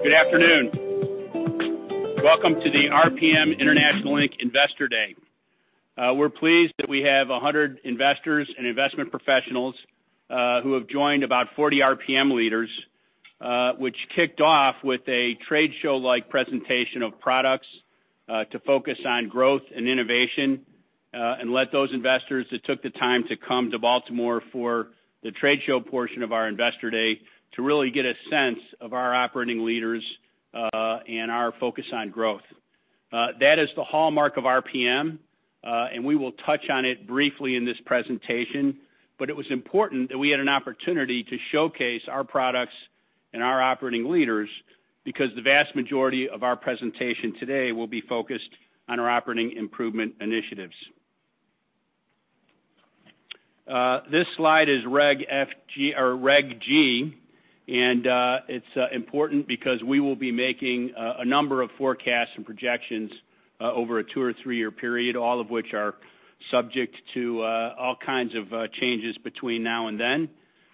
Good afternoon. Welcome to the RPM International Inc. Investor Day. We're pleased that we have 100 investors and investment professionals who have joined about 40 RPM leaders, which kicked off with a trade show-like presentation of products to focus on growth and innovation, and let those investors that took the time to come to Baltimore for the trade show portion of our Investor Day to really get a sense of our operating leaders and our focus on growth. That is the hallmark of RPM, and we will touch on it briefly in this presentation, but it was important that we had an opportunity to showcase our products and our operating leaders because the vast majority of our presentation today will be focused on our operating improvement initiatives. This slide is Reg G, and it's important because we will be making a number of forecasts and projections over a two or three-year period, all of which are subject to all kinds of changes between now and then.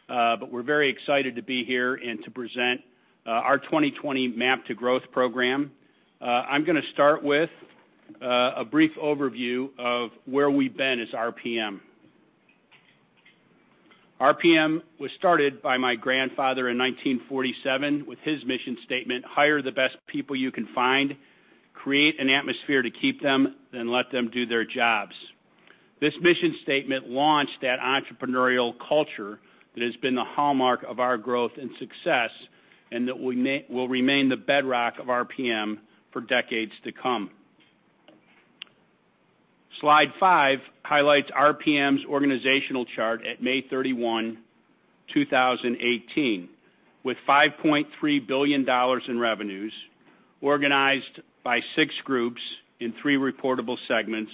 We're very excited to be here and to present our 2020 MAP to Growth program. I'm going to start with a brief overview of where we've been as RPM. RPM was started by my grandfather in 1947 with his mission statement, "Hire the best people you can find, create an atmosphere to keep them, then let them do their jobs." This mission statement launched that entrepreneurial culture that has been the hallmark of our growth and success. That will remain the bedrock of RPM for decades to come. Slide five highlights RPM's organizational chart at May 31, 2018, with $5.3 billion in revenues, organized by six groups in three reportable segments,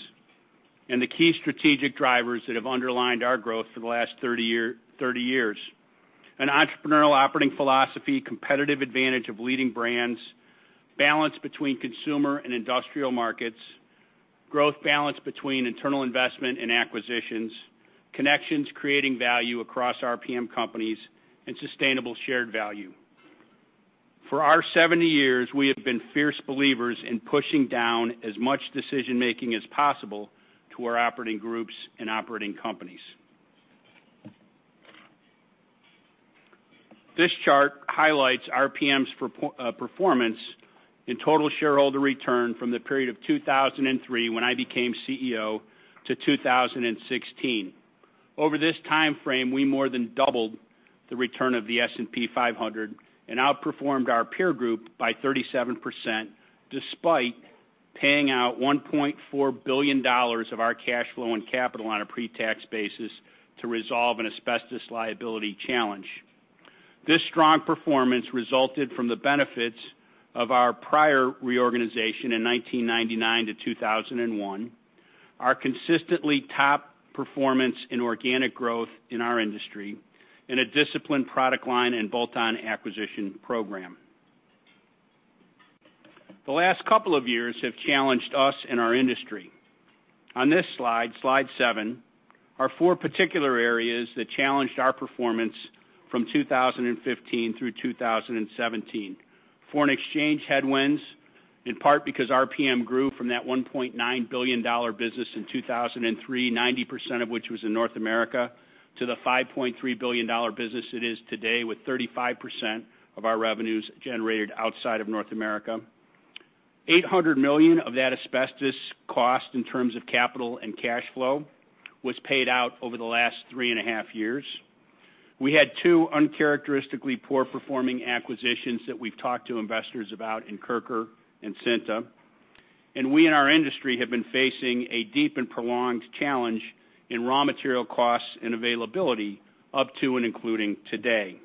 and the key strategic drivers that have underlined our growth for the last 30 years. An entrepreneurial operating philosophy, competitive advantage of leading brands, balance between consumer and industrial markets, growth balance between internal investment and acquisitions, connections creating value across RPM companies, and sustainable shared value. For our 70 years, we have been fierce believers in pushing down as much decision-making as possible to our operating groups and operating companies. This chart highlights RPM's performance in total shareholder return from the period of 2003, when I became CEO, to 2016. Over this time frame, we more than doubled the return of the S&P 500 and outperformed our peer group by 37%, despite paying out $1.4 billion of our cash flow and capital on a pre-tax basis to resolve an asbestos liability challenge. This strong performance resulted from the benefits of our prior reorganization in 1999 to 2001, our consistently top performance in organic growth in our industry, and a disciplined product line and bolt-on acquisition program. The last couple of years have challenged us and our industry. On this slide seven, are four particular areas that challenged our performance from 2015 through 2017. Foreign exchange headwinds, in part because RPM grew from that $1.9 billion business in 2003, 90% of which was in North America, to the $5.3 billion business it is today, with 35% of our revenues generated outside of North America. $800 million of that asbestos cost in terms of capital and cash flow was paid out over the last three and a half years. We had two uncharacteristically poor-performing acquisitions that we've talked to investors about in Kirker and Cintia. We in our industry have been facing a deep and prolonged challenge in raw material costs and availability up to and including today.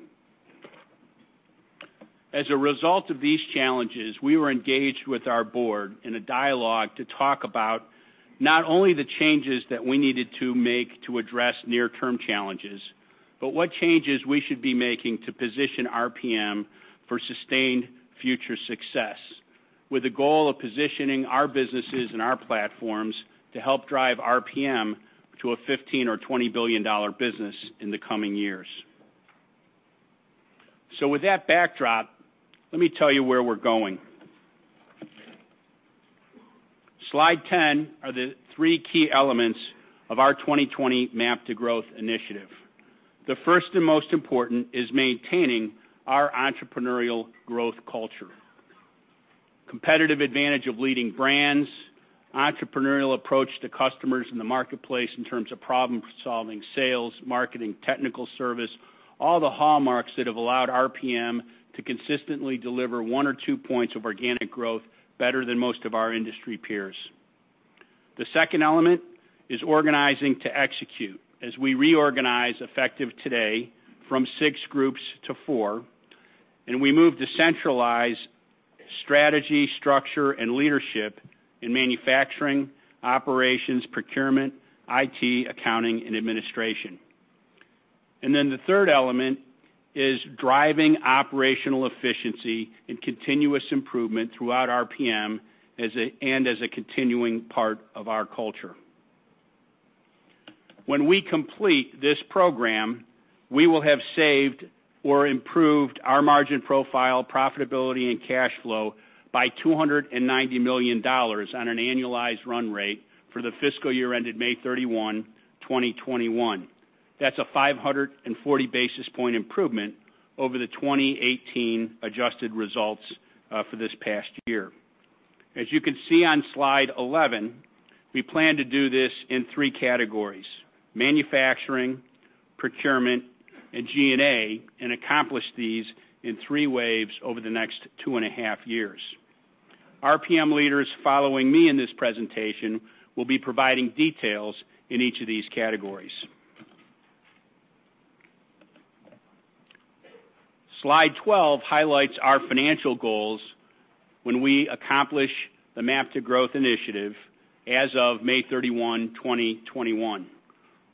As a result of these challenges, we were engaged with our board in a dialogue to talk about not only the changes that we needed to make to address near-term challenges, but what changes we should be making to position RPM for sustained future success, with the goal of positioning our businesses and our platforms to help drive RPM to a $15 billion or $20 billion business in the coming years. With that backdrop, let me tell you where we're going. Slide 10 are the three key elements of our 2020 MAP to Growth initiative. The first and most important is maintaining our entrepreneurial growth culture. Competitive advantage of leading brands, entrepreneurial approach to customers in the marketplace in terms of problem-solving, sales, marketing, technical service, all the hallmarks that have allowed RPM to consistently deliver one or two points of organic growth better than most of our industry peers. The second element is organizing to execute, as we reorganize, effective today, from six groups to four, and we move to centralize strategy, structure, and leadership in manufacturing, operations, procurement, IT, accounting, and administration. The third element is driving operational efficiency and continuous improvement throughout RPM and as a continuing part of our culture. When we complete this program, we will have saved or improved our margin profile profitability and cash flow by $290 million on an annualized run rate for the fiscal year ended May 31, 2021. That's a 540 basis point improvement over the 2018 adjusted results for this past year. As you can see on slide 11, we plan to do this in 3 categories: manufacturing, procurement, and G&A, and accomplish these in 3 waves over the next two and a half years. RPM leaders following me in this presentation will be providing details in each of these categories. Slide 12 highlights our financial goals when we accomplish the MAP to Growth initiative as of May 31, 2021.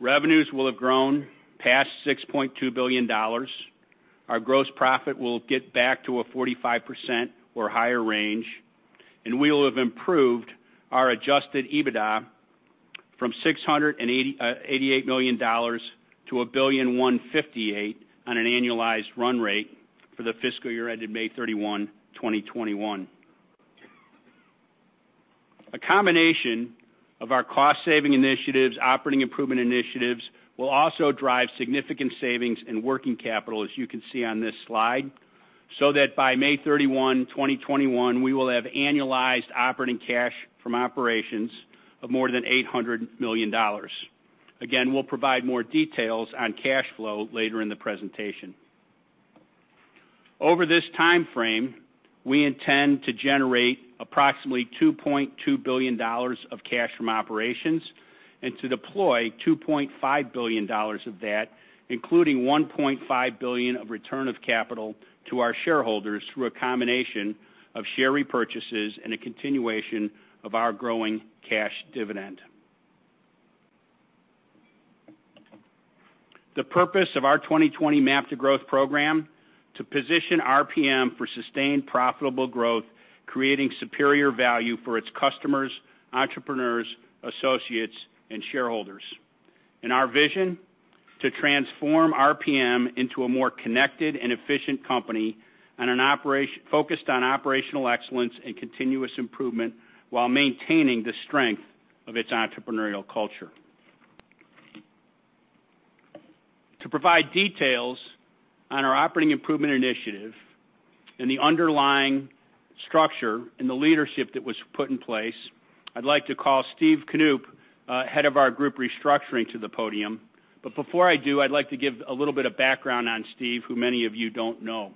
Revenues will have grown past $6.2 billion. Our gross profit will get back to a 45% or higher range, and we will have improved our adjusted EBITDA from $688 million to $1.158 billion on an annualized run rate for the fiscal year ended May 31, 2021. A combination of our cost-saving initiatives, operating improvement initiatives will also drive significant savings in working capital, as you can see on this slide, so that by May 31, 2021, we will have annualized operating cash from operations of more than $800 million. We'll provide more details on cash flow later in the presentation. Over this timeframe, we intend to generate approximately $2.2 billion of cash from operations and to deploy $2.5 billion of that, including $1.5 billion of return of capital to our shareholders through a combination of share repurchases and a continuation of our growing cash dividend. The purpose of our 2020 MAP to Growth program to position RPM for sustained profitable growth, creating superior value for its customers, entrepreneurs, associates, and shareholders. Our vision, to transform RPM into a more connected and efficient company focused on operational excellence and continuous improvement while maintaining the strength of its entrepreneurial culture. To provide details on our operating improvement initiative and the underlying structure and the leadership that was put in place, I'd like to call Steve Knoop, head of our group restructuring, to the podium. Before I do, I'd like to give a little bit of background on Steve, who many of you don't know.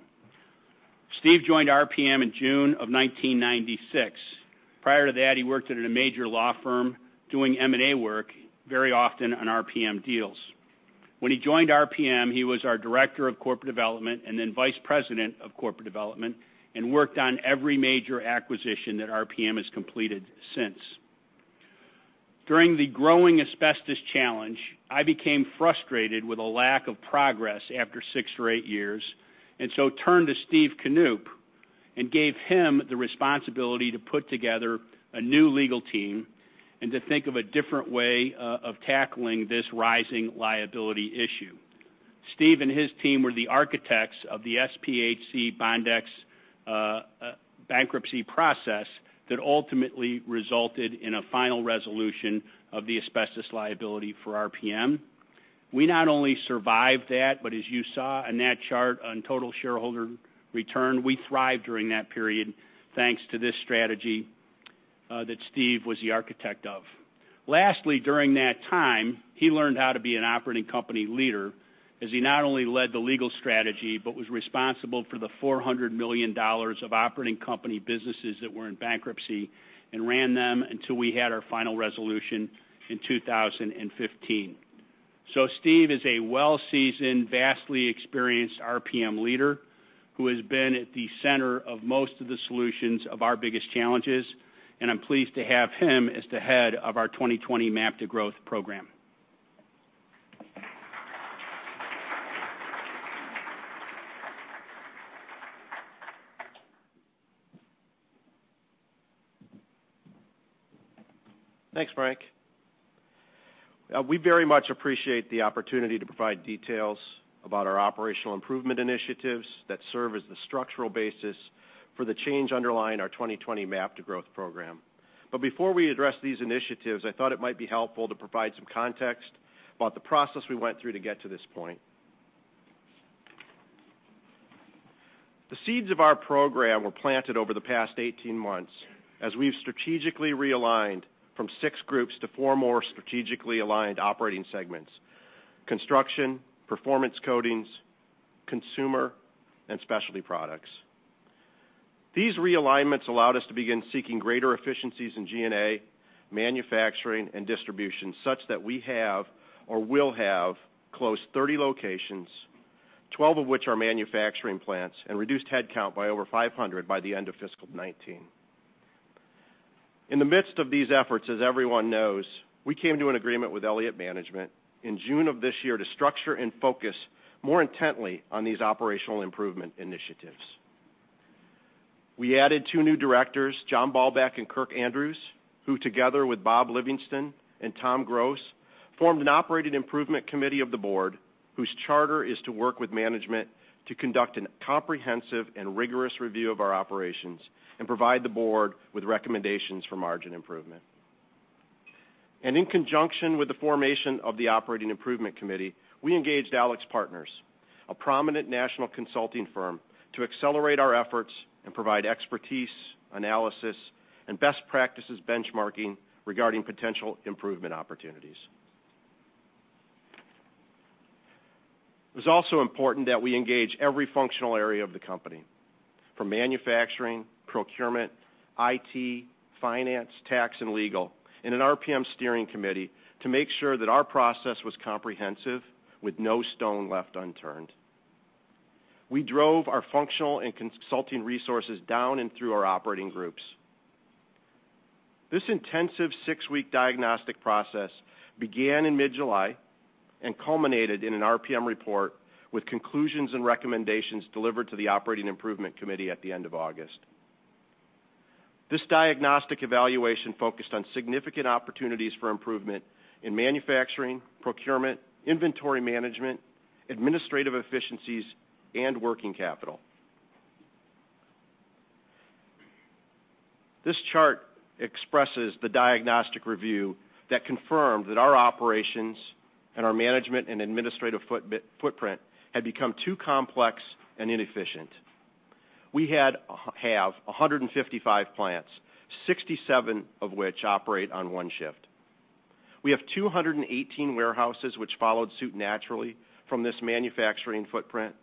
Steve joined RPM in June of 1996. Prior to that, he worked at a major law firm doing M&A work, very often on RPM deals. When he joined RPM, he was our Director of Corporate Development and then Vice President of Corporate Development and worked on every major acquisition that RPM has completed since. During the growing asbestos challenge, I became frustrated with a lack of progress after six or eight years, turned to Steve Knoop and gave him the responsibility to put together a new legal team and to think of a different way of tackling this rising liability issue. Steve and his team were the architects of the SPHC Bondex bankruptcy process that ultimately resulted in a final resolution of the asbestos liability for RPM. We not only survived that, but as you saw on that chart on total shareholder return, we thrived during that period thanks to this strategy that Steve was the architect of. Lastly, during that time, he learned how to be an operating company leader as he not only led the legal strategy, but was responsible for the $400 million of operating company businesses that were in bankruptcy and ran them until we had our final resolution in 2015. Steve is a well-seasoned, vastly experienced RPM leader who has been at the center of most of the solutions of our biggest challenges, and I'm pleased to have him as the head of our 2020 MAP to Growth program. Thanks, Frank. We very much appreciate the opportunity to provide details about our operational improvement initiatives that serve as the structural basis for the change underlying our 2020 MAP to Growth program. Before we address these initiatives, I thought it might be helpful to provide some context about the process we went through to get to this point. The seeds of our program were planted over the past 18 months as we've strategically realigned from six groups to four more strategically aligned operating segments: construction, performance coatings, consumer, and specialty products. These realignments allowed us to begin seeking greater efficiencies in G&A, manufacturing, and distribution, such that we have or will have close to 30 locations, 12 of which are manufacturing plants, and reduced headcount by over 500 by the end of fiscal 2019. In the midst of these efforts, as everyone knows, we came to an agreement with Elliott Management in June of this year to structure and focus more intently on these operational improvement initiatives. We added two new Directors, John Ballbach and Kirk Andrews, who together with Bob Livingston and Tom Gross, formed an Operating Improvement Committee of the board, whose charter is to work with management to conduct a comprehensive and rigorous review of our operations and provide the board with recommendations for margin improvement. In conjunction with the formation of the Operating Improvement Committee, we engaged AlixPartners, a prominent national consulting firm, to accelerate our efforts and provide expertise, analysis, and best practices benchmarking regarding potential improvement opportunities. It was also important that we engage every functional area of the company, from manufacturing, procurement, IT, finance, tax, and legal, in an RPM Steering Committee to make sure that our process was comprehensive with no stone left unturned. We drove our functional and consulting resources down and through our operating groups. This intensive six-week diagnostic process began in mid-July and culminated in an RPM report with conclusions and recommendations delivered to the Operating Improvement Committee at the end of August. This diagnostic evaluation focused on significant opportunities for improvement in manufacturing, procurement, inventory management, administrative efficiencies, and working capital. This chart expresses the diagnostic review that confirmed that our operations and our management and administrative footprint had become too complex and inefficient. We have 155 plants, 67 of which operate on one shift. We have 218 warehouses which followed suit naturally from this manufacturing footprint.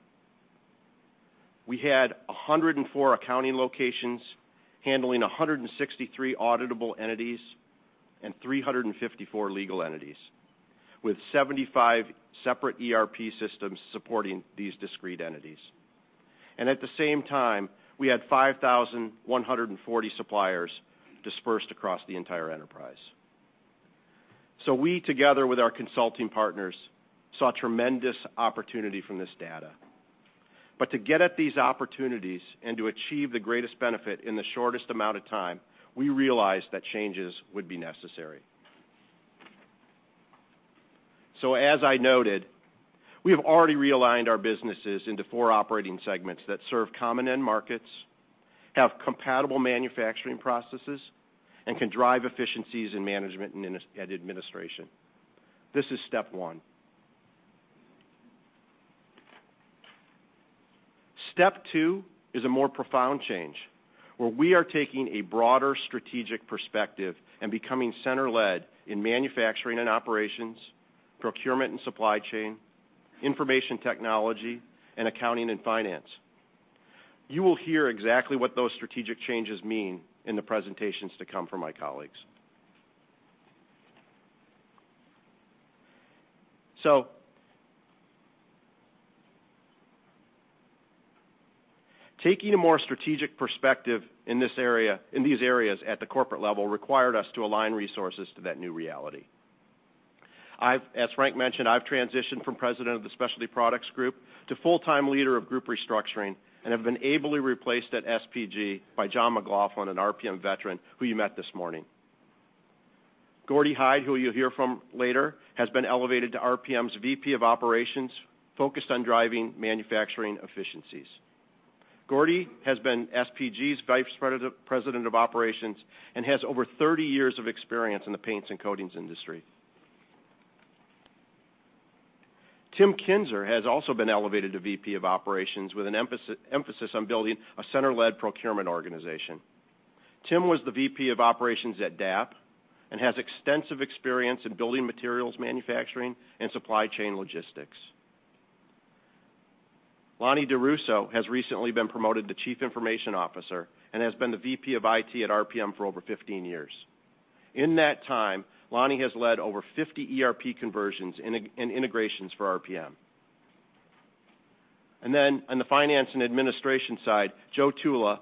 We had 104 accounting locations handling 163 auditable entities and 354 legal entities, with 75 separate ERP systems supporting these discrete entities. At the same time, we had 5,140 suppliers dispersed across the entire enterprise. We, together with our consulting partners, saw tremendous opportunity from this data. To get at these opportunities and to achieve the greatest benefit in the shortest amount of time, we realized that changes would be necessary. As I noted, we have already realigned our businesses into four operating segments that serve common end markets, have compatible manufacturing processes, and can drive efficiencies in management and administration. This is step one. Step two is a more profound change, where we are taking a broader strategic perspective and becoming center-led in manufacturing and operations, procurement and supply chain, information technology, and accounting and finance. You will hear exactly what those strategic changes mean in the presentations to come from my colleagues. Taking a more strategic perspective in these areas at the corporate level required us to align resources to that new reality. As Frank mentioned, I've transitioned from President of the Specialty Products Group to full-time leader of group restructuring and have been ably replaced at SPG by John McLoughlin, an RPM veteran who you met this morning. Gordie Hyde, who you'll hear from later, has been elevated to RPM's VP of Operations, focused on driving manufacturing efficiencies. Gordie has been SPG's Vice President of Operations and has over 30 years of experience in the paints and coatings industry. Tim Kinzer has also been elevated to VP of Operations with an emphasis on building a center-led procurement organization. Tim was the VP of Operations at DAP and has extensive experience in building materials manufacturing and supply chain logistics. Lonny DiRusso has recently been promoted to Chief Information Officer and has been the VP of IT at RPM for over 15 years. In that time, Lonny has led over 50 ERP conversions and integrations for RPM. Joe Tullo,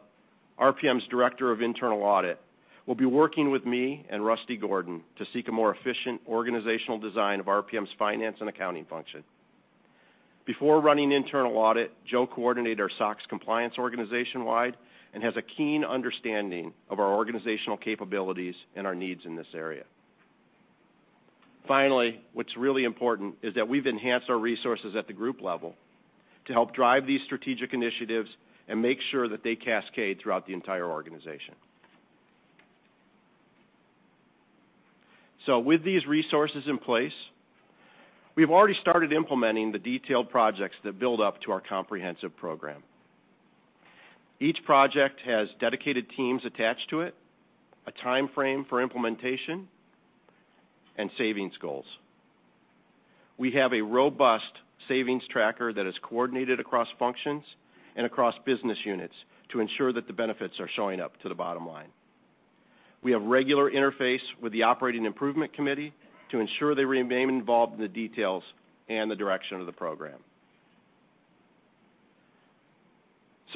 RPM's Director of Internal Audit, will be working with me and Rusty Gordon to seek a more efficient organizational design of RPM's finance and accounting function. Before running internal audit, Joe coordinated our SOX compliance organization-wide and has a keen understanding of our organizational capabilities and our needs in this area. Finally, what's really important is that we've enhanced our resources at the group level to help drive these strategic initiatives and make sure that they cascade throughout the entire organization. With these resources in place, we've already started implementing the detailed projects that build up to our comprehensive program. Each project has dedicated teams attached to it, a timeframe for implementation, and savings goals. We have a robust savings tracker that is coordinated across functions and across business units to ensure that the benefits are showing up to the bottom line. We have regular interface with the operating improvement committee to ensure they remain involved in the details and the direction of the program.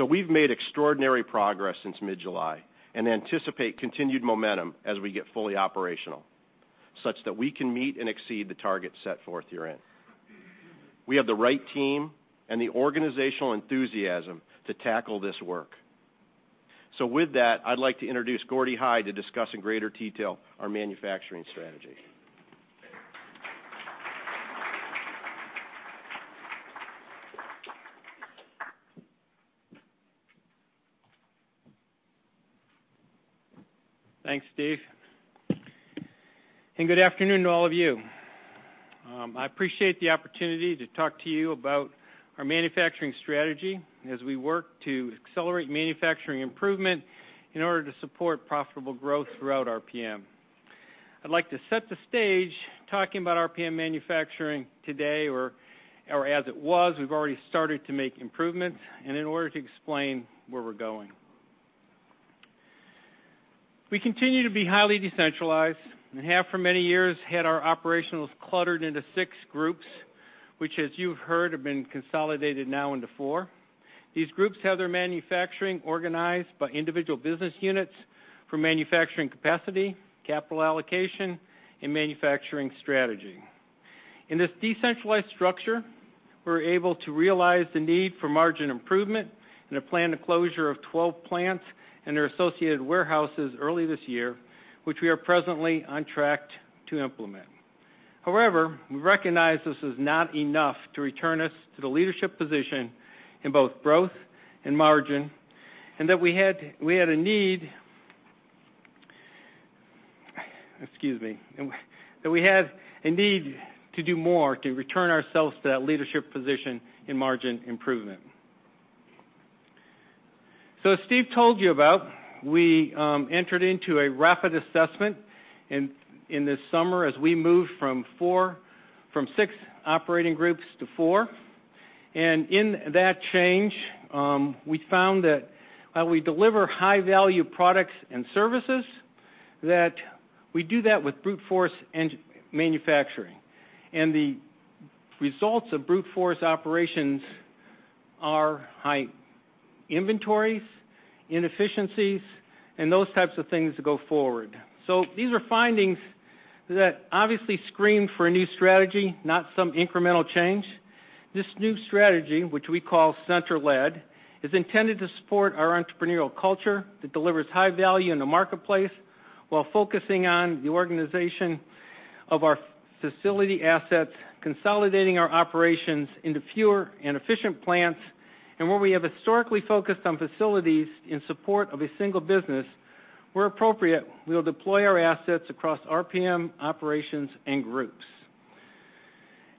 We've made extraordinary progress since mid-July and anticipate continued momentum as we get fully operational, such that we can meet and exceed the targets set forth herein. We have the right team and the organizational enthusiasm to tackle this work. With that, I'd like to introduce Gordy Hyde to discuss in greater detail our manufacturing strategy. Thanks, Steve, good afternoon to all of you. I appreciate the opportunity to talk to you about our manufacturing strategy as we work to accelerate manufacturing improvement in order to support profitable growth throughout RPM. I'd like to set the stage talking about RPM manufacturing today, or as it was, we've already started to make improvements, and in order to explain where we're going. We continue to be highly decentralized and have for many years had our operations cluttered into six groups, which as you've heard, have been consolidated now into four. These groups have their manufacturing organized by individual business units for manufacturing capacity, capital allocation, and manufacturing strategy. In this decentralized structure, we're able to realize the need for margin improvement and have planned the closure of 12 plants and their associated warehouses early this year, which we are presently on track to implement. However, we recognize this is not enough to return us to the leadership position in both growth and margin and that we had a need to do more to return ourselves to that leadership position in margin improvement. As Steve told you about, we entered into a rapid assessment in the summer as we moved from six operating groups to four. In that change, we found that while we deliver high-value products and services, that we do that with brute force manufacturing. The results of brute force operations are high inventories, inefficiencies, and those types of things to go forward. These are findings that obviously scream for a new strategy, not some incremental change. This new strategy, which we call center-led, is intended to support our entrepreneurial culture that delivers high value in the marketplace while focusing on the organization of our facility assets, consolidating our operations into fewer and efficient plants. Where we have historically focused on facilities in support of a single business, where appropriate, we'll deploy our assets across RPM operations and groups.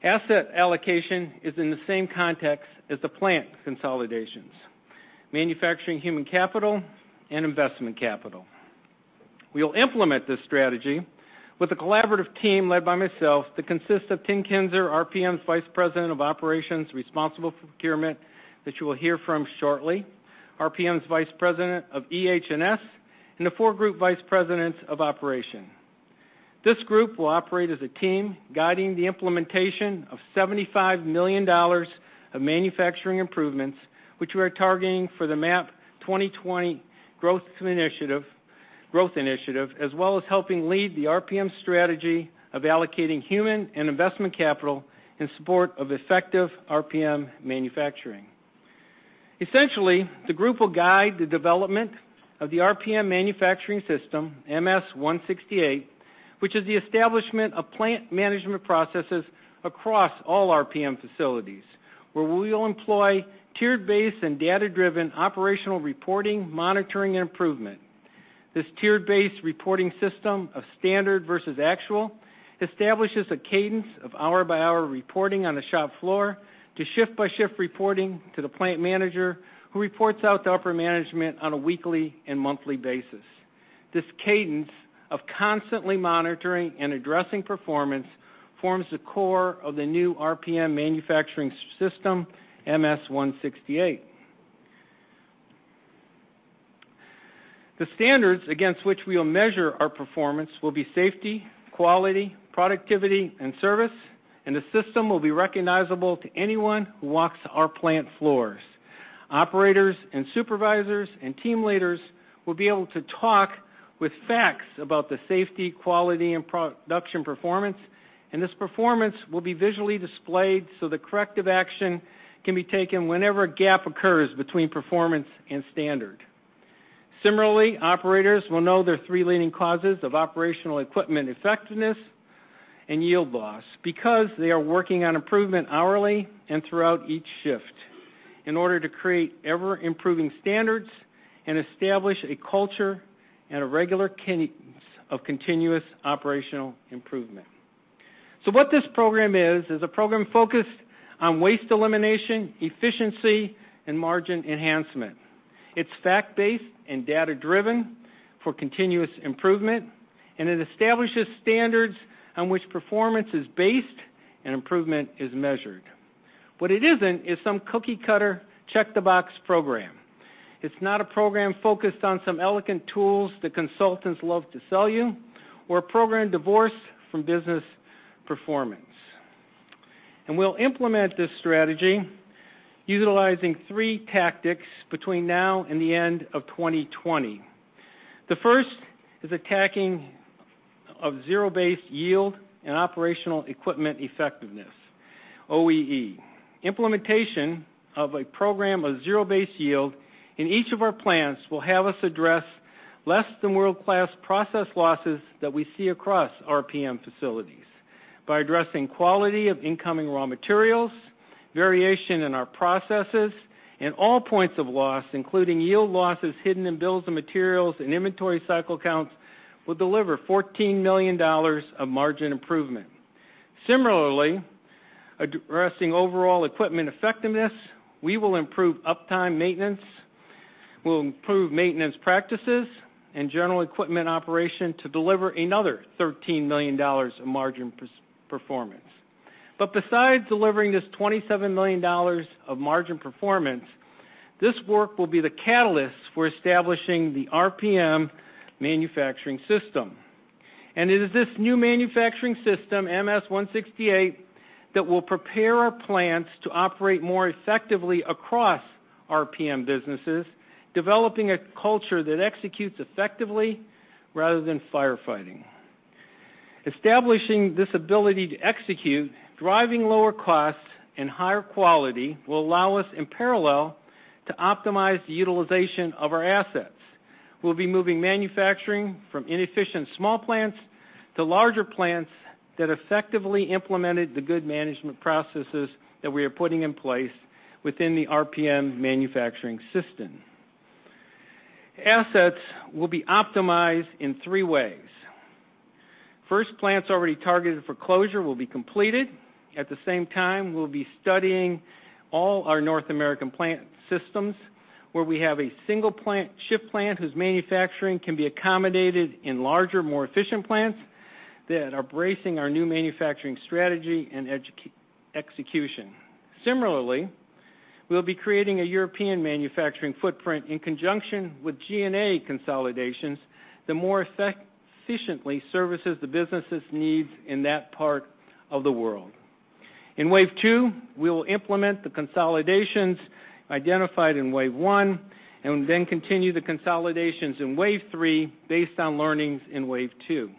Asset allocation is in the same context as the plant consolidations, manufacturing human capital, and investment capital. We'll implement this strategy with a collaborative team led by myself that consists of Tim Kinser, RPM's Vice President of Operations, responsible for procurement, that you will hear from shortly, RPM's Vice President of EH&S, and the four group vice presidents of operation. This group will operate as a team, guiding the implementation of $75 million of manufacturing improvements, which we are targeting for the MAP 2020 growth initiative, as well as helping lead the RPM strategy of allocating human and investment capital in support of effective RPM manufacturing. Essentially, the group will guide the development of the RPM manufacturing system, MS-168, which is the establishment of plant management processes across all RPM facilities, where we will employ tiered-based and data-driven operational reporting, monitoring, and improvement. This tiered-based reporting system of standard versus actual establishes a cadence of hour-by-hour reporting on the shop floor to shift-by-shift reporting to the plant manager who reports out to upper management on a weekly and monthly basis. This cadence of constantly monitoring and addressing performance forms the core of the new RPM manufacturing system, MS-168. The standards against which we'll measure our performance will be safety, quality, productivity, and service, and the system will be recognizable to anyone who walks our plant floors. Operators and supervisors and team leaders will be able to talk with facts about the safety, quality, and production performance, and this performance will be visually displayed so the corrective action can be taken whenever a gap occurs between performance and standard. Similarly, operators will know their three leading causes of operational equipment effectiveness and yield loss because they are working on improvement hourly and throughout each shift in order to create ever-improving standards and establish a culture and a regular cadence of continuous operational improvement. So what this program is a program focused on waste elimination, efficiency, and margin enhancement. It's fact-based and data-driven for continuous improvement, and it establishes standards on which performance is based and improvement is measured. What it isn't is some cookie-cutter, check-the-box program. It's not a program focused on some elegant tools that consultants love to sell you or a program divorced from business performance. We'll implement this strategy utilizing three tactics between now and the end of 2020. The first is attacking zero-based yield and operational equipment effectiveness, OEE. Implementation of a program of zero-based yield in each of our plants will have us address less than world-class process losses that we see across RPM facilities. By addressing quality of incoming raw materials, variation in our processes, and all points of loss, including yield losses hidden in bills of materials and inventory cycle counts, will deliver $14 million of margin improvement. Similarly, addressing overall equipment effectiveness, we will improve uptime maintenance, we'll improve maintenance practices, and general equipment operation to deliver another $13 million in margin performance. Besides delivering this $27 million of margin performance, this work will be the catalyst for establishing the RPM Manufacturing System. It is this new manufacturing system, MS-168, that will prepare our plants to operate more effectively across RPM businesses, developing a culture that executes effectively rather than firefighting. Establishing this ability to execute, driving lower costs and higher quality will allow us, in parallel, to optimize the utilization of our assets. We'll be moving manufacturing from inefficient small plants to larger plants that effectively implemented the good management processes that we are putting in place within the RPM Manufacturing System. Assets will be optimized in three ways. First, plants already targeted for closure will be completed. At the same time, we'll be studying all our North American plant systems where we have a single plant, shift plant, whose manufacturing can be accommodated in larger, more efficient plants that are bracing our new manufacturing strategy and execution. Similarly, we'll be creating a European manufacturing footprint in conjunction with G&A consolidations that more efficiently services the businesses' needs in that part of the world. In wave 2, we will implement the consolidations identified in wave 1, and we then continue the consolidations in wave 3 based on learnings in wave 2.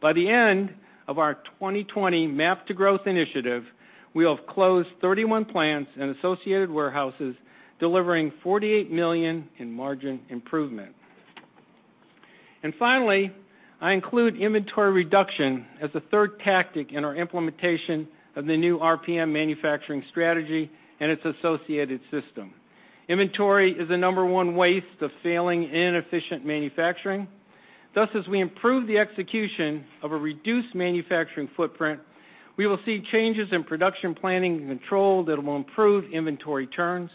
By the end of our 2020 MAP to Growth initiative, we have closed 31 plants and associated warehouses, delivering $48 million in margin improvement. Finally, I include inventory reduction as a third tactic in our implementation of the new RPM manufacturing strategy and its associated system. Inventory is the number 1 waste of failing inefficient manufacturing. Thus, as we improve the execution of a reduced manufacturing footprint, we will see changes in production planning and control that will improve inventory turns.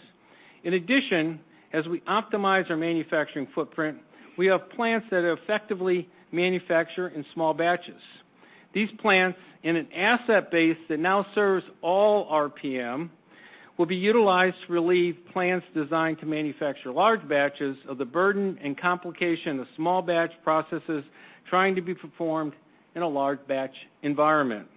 In addition, as we optimize our manufacturing footprint, we have plants that effectively manufacture in small batches. These plants, in an asset base that now serves all RPM, will be utilized to relieve plants designed to manufacture large batches of the burden and complication of small batch processes trying to be performed in a large batch environment.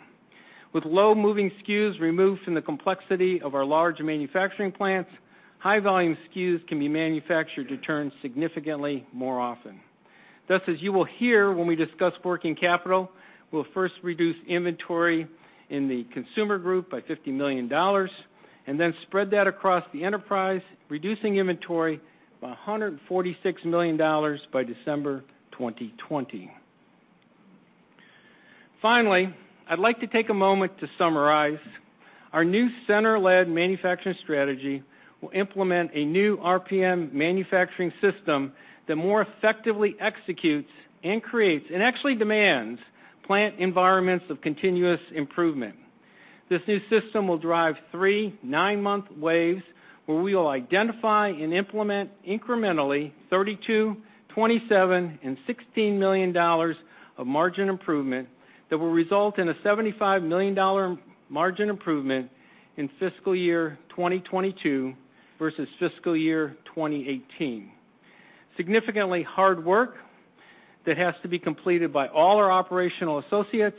With low moving SKUs removed from the complexity of our large manufacturing plants, high volume SKUs can be manufactured to turn significantly more often. Thus, as you will hear when we discuss working capital, we'll first reduce inventory in the consumer group by $50 million, and then spread that across the enterprise, reducing inventory by $146 million by December 2020. Finally, I'd like to take a moment to summarize. Our new center-led manufacturing strategy will implement a new RPM Manufacturing System that more effectively executes and creates, and actually demands, plant environments of continuous improvement. This new system will drive three nine-month waves where we will identify and implement incrementally $32 million, $27 million, and $16 million of margin improvement that will result in a $75 million margin improvement in fiscal year 2022 versus fiscal year 2018. Significantly hard work that has to be completed by all our operational associates,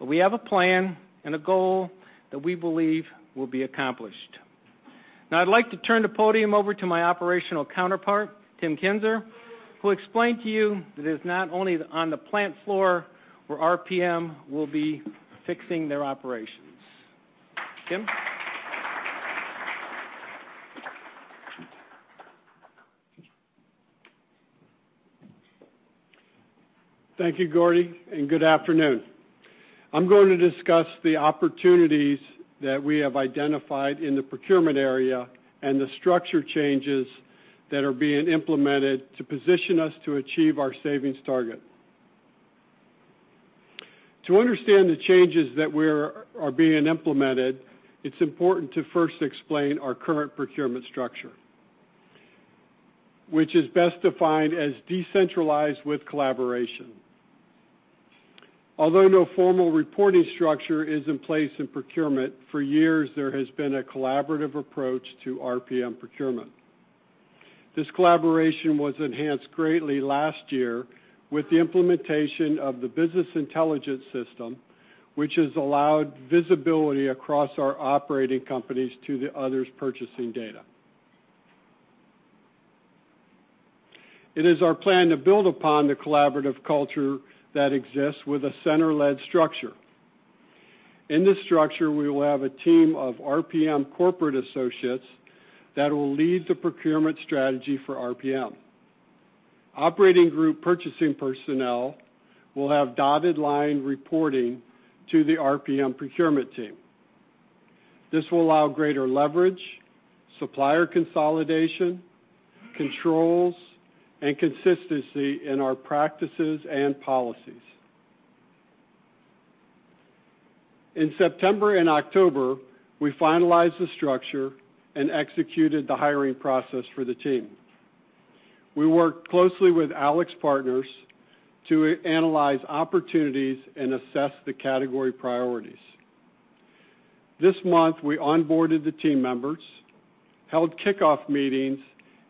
we have a plan and a goal that we believe will be accomplished. Now, I'd like to turn the podium over to my operational counterpart, Tim Kinzer, who will explain to you that it is not only on the plant floor where RPM will be fixing their operations. Tim? Thank you, Gordy, and good afternoon. I'm going to discuss the opportunities that we have identified in the procurement area and the structure changes that are being implemented to position us to achieve our savings target. To understand the changes that are being implemented, it's important to first explain our current procurement structure, which is best defined as decentralized with collaboration. Although no formal reporting structure is in place in procurement, for years there has been a collaborative approach to RPM procurement. This collaboration was enhanced greatly last year with the implementation of the business intelligence system, which has allowed visibility across our operating companies to the others' purchasing data. It is our plan to build upon the collaborative culture that exists with a center-led structure. In this structure, we will have a team of RPM corporate associates that will lead the procurement strategy for RPM. Operating group purchasing personnel will have dotted line reporting to the RPM procurement team. This will allow greater leverage, supplier consolidation, controls, and consistency in our practices and policies. In September and October, we finalized the structure and executed the hiring process for the team. We worked closely with AlixPartners to analyze opportunities and assess the category priorities. This month, we onboarded the team members, held kickoff meetings,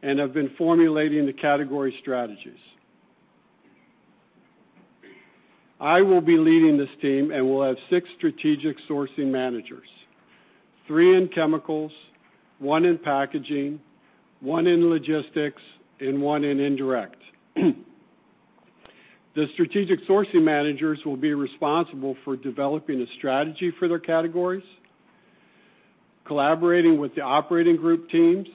and have been formulating the category strategies. I will be leading this team and will have six strategic sourcing managers, three in chemicals, one in packaging, one in logistics, and one in indirect. The strategic sourcing managers will be responsible for developing a strategy for their categories, collaborating with the operating group teams,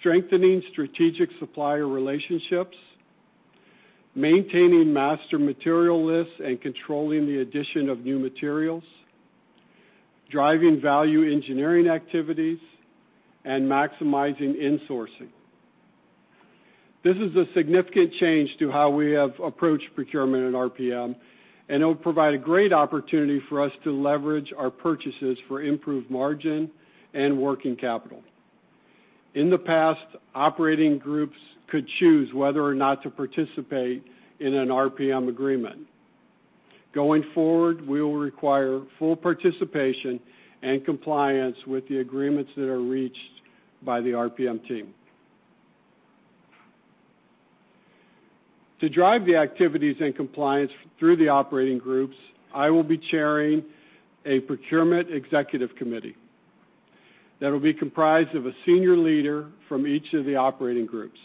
strengthening strategic supplier relationships, maintaining master material lists, and controlling the addition of new materials, driving value engineering activities, and maximizing insourcing. This is a significant change to how we have approached procurement at RPM, and it will provide a great opportunity for us to leverage our purchases for improved margin and working capital. In the past, operating groups could choose whether or not to participate in an RPM agreement. Going forward, we will require full participation and compliance with the agreements that are reached by the RPM team. To drive the activities and compliance through the operating groups, I will be chairing a procurement executive committee that will be comprised of a senior leader from each of the operating groups.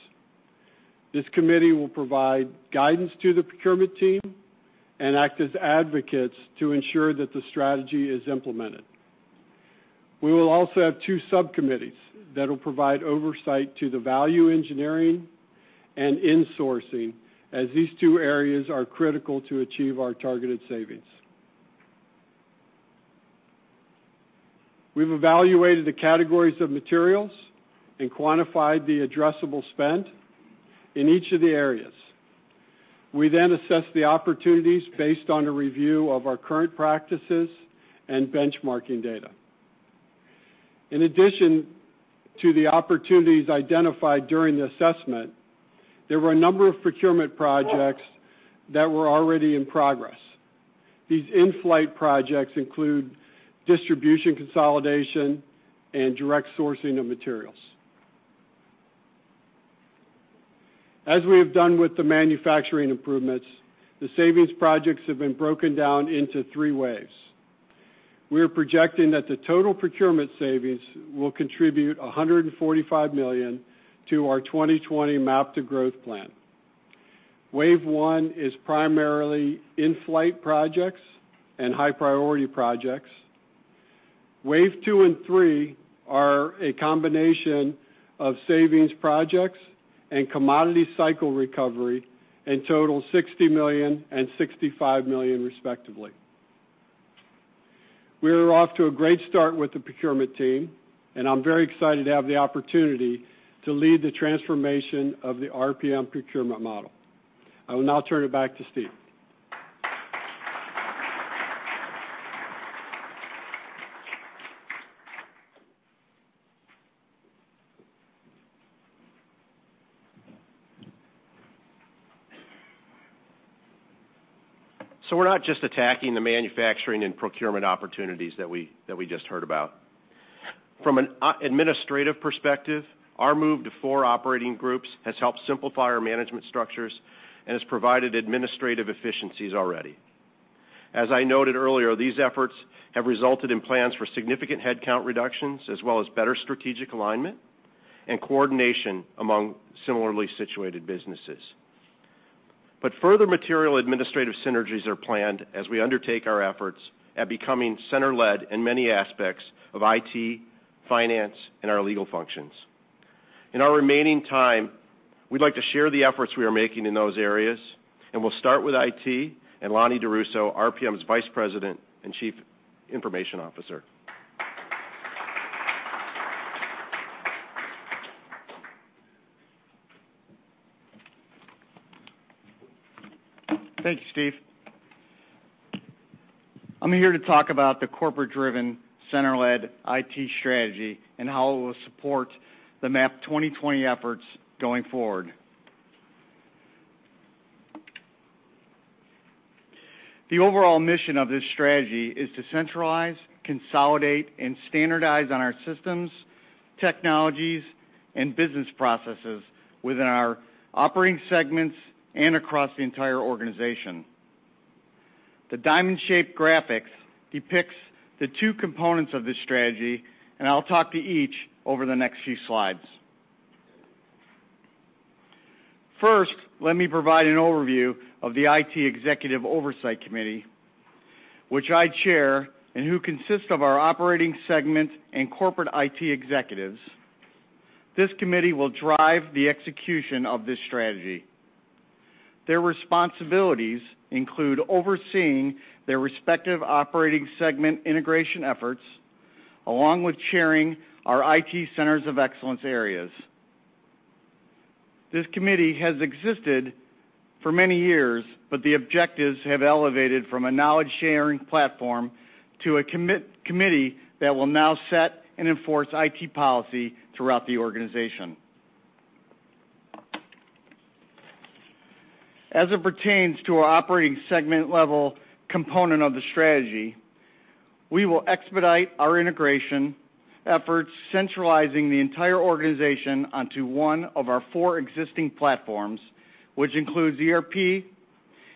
This committee will provide guidance to the procurement team and act as advocates to ensure that the strategy is implemented. We will also have two subcommittees that will provide oversight to the value engineering and insourcing, as these two areas are critical to achieve our targeted savings. We've evaluated the categories of materials and quantified the addressable spend in each of the areas. We then assessed the opportunities based on a review of our current practices and benchmarking data. In addition to the opportunities identified during the assessment, there were a number of procurement projects that were already in progress. These in-flight projects include distribution consolidation and direct sourcing of materials. As we have done with the manufacturing improvements, the savings projects have been broken down into three waves. We are projecting that the total procurement savings will contribute $145 million to our 2020 MAP to Growth plan. Wave one is primarily in-flight projects and high-priority projects. Wave two and three are a combination of savings projects and commodity cycle recovery and total $60 million and $65 million respectively. We are off to a great start with the procurement team. I'm very excited to have the opportunity to lead the transformation of the RPM procurement model. I will now turn it back to Steve. We're not just attacking the manufacturing and procurement opportunities that we just heard about. From an administrative perspective, our move to four operating groups has helped simplify our management structures and has provided administrative efficiencies already. As I noted earlier, these efforts have resulted in plans for significant headcount reductions, as well as better strategic alignment and coordination among similarly situated businesses. Further material administrative synergies are planned as we undertake our efforts at becoming center-led in many aspects of IT, finance, and our legal functions. In our remaining time, we'd like to share the efforts we are making in those areas. We'll start with IT and Lonny R. DiRusso, RPM's Vice President and Chief Information Officer. Thank you, Steve. I'm here to talk about the corporate-driven, center-led IT strategy and how it will support the MAP 2020 efforts going forward. The overall mission of this strategy is to centralize, consolidate, and standardize on our systems, technologies, and business processes within our operating segments and across the entire organization. The diamond-shaped graphic depicts the two components of this strategy. I'll talk to each over the next few slides. First, let me provide an overview of the IT Executive Oversight Committee, which I chair, and who consists of our operating segment and corporate IT executives. This committee will drive the execution of this strategy. Their responsibilities include overseeing their respective operating segment integration efforts, along with chairing our IT centers of excellence areas. This committee has existed for many years, but the objectives have elevated from a knowledge-sharing platform to a committee that will now set and enforce IT policy throughout the organization. As it pertains to our operating segment-level component of the strategy, we will expedite our integration efforts, centralizing the entire organization onto one of our four existing platforms, which includes ERP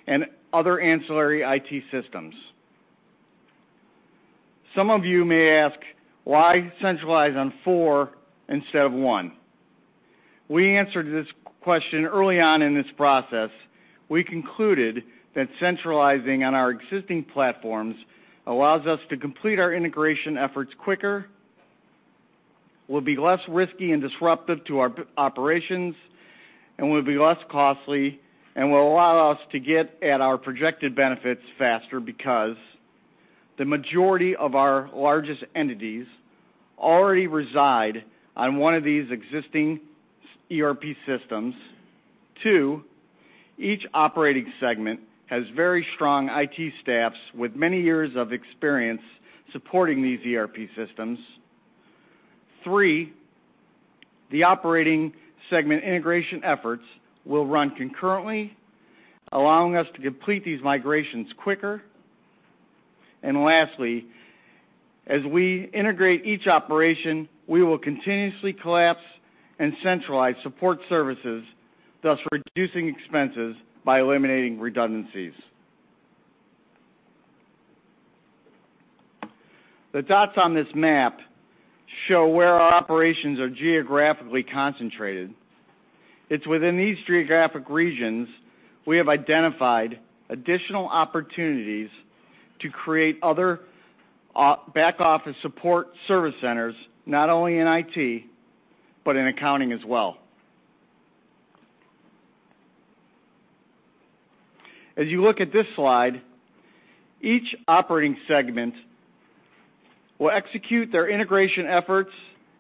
and other ancillary IT systems. Some of you may ask, why centralize on four instead of one? We answered this question early on in this process. We concluded that centralizing on our existing platforms allows us to complete our integration efforts quicker, will be less risky and disruptive to our operations, and will be less costly, and will allow us to get at our projected benefits faster because the majority of our largest entities already reside on one of these existing ERP systems. Two, each operating segment has very strong IT staffs with many years of experience supporting these ERP systems. Three, the operating segment integration efforts will run concurrently, allowing us to complete these migrations quicker. Lastly, as we integrate each operation, we will continuously collapse and centralize support services, thus reducing expenses by eliminating redundancies. The dots on this map show where our operations are geographically concentrated. It's within these geographic regions we have identified additional opportunities to create other back-office support service centers, not only in IT, but in accounting as well. As you look at this slide, each operating segment will execute their integration efforts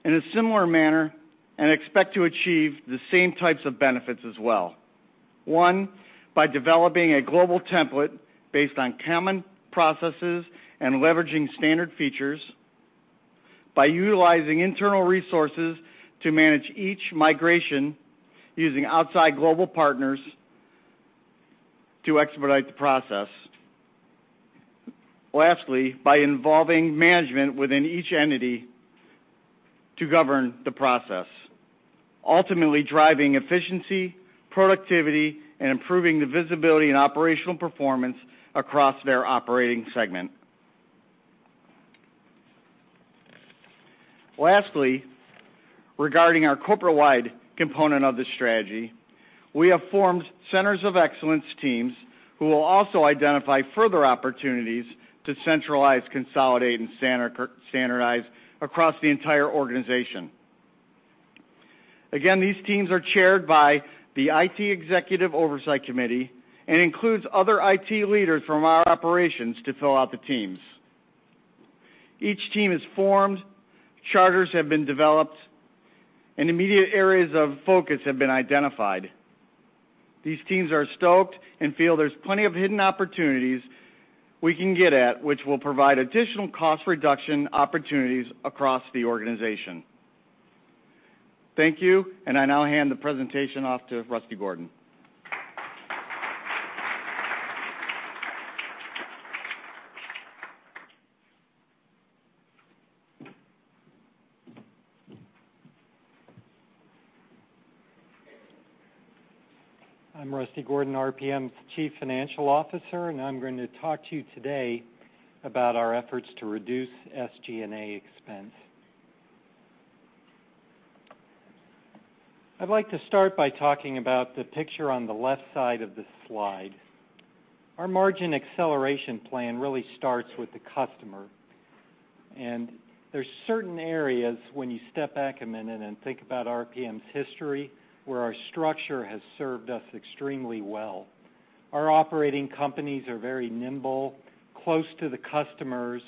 in a similar manner and expect to achieve the same types of benefits as well. One, by developing a global template based on common processes and leveraging standard features. By utilizing internal resources to manage each migration using outside global partners to expedite the process. Lastly, by involving management within each entity to govern the process. Ultimately driving efficiency, productivity, and improving the visibility and operational performance across their operating segment. Lastly, regarding our corporate-wide component of this strategy, we have formed centers of excellence teams who will also identify further opportunities to centralize, consolidate, and standardize across the entire organization. Again, these teams are chaired by the IT Executive Oversight Committee and includes other IT leaders from our operations to fill out the teams. Each team is formed, charters have been developed, and immediate areas of focus have been identified. These teams are stoked and feel there's plenty of hidden opportunities we can get at, which will provide additional cost reduction opportunities across the organization. Thank you, and I now hand the presentation off to Rusty Gordon. I'm Rusty Gordon, RPM's Chief Financial Officer, and I'm going to talk to you today about our efforts to reduce SG&A expense. I'd like to start by talking about the picture on the left side of this slide. Our margin acceleration plan really starts with the customer. There's certain areas, when you step back a minute and think about RPM's history, where our structure has served us extremely well. Our operating companies are very nimble, close to the customers,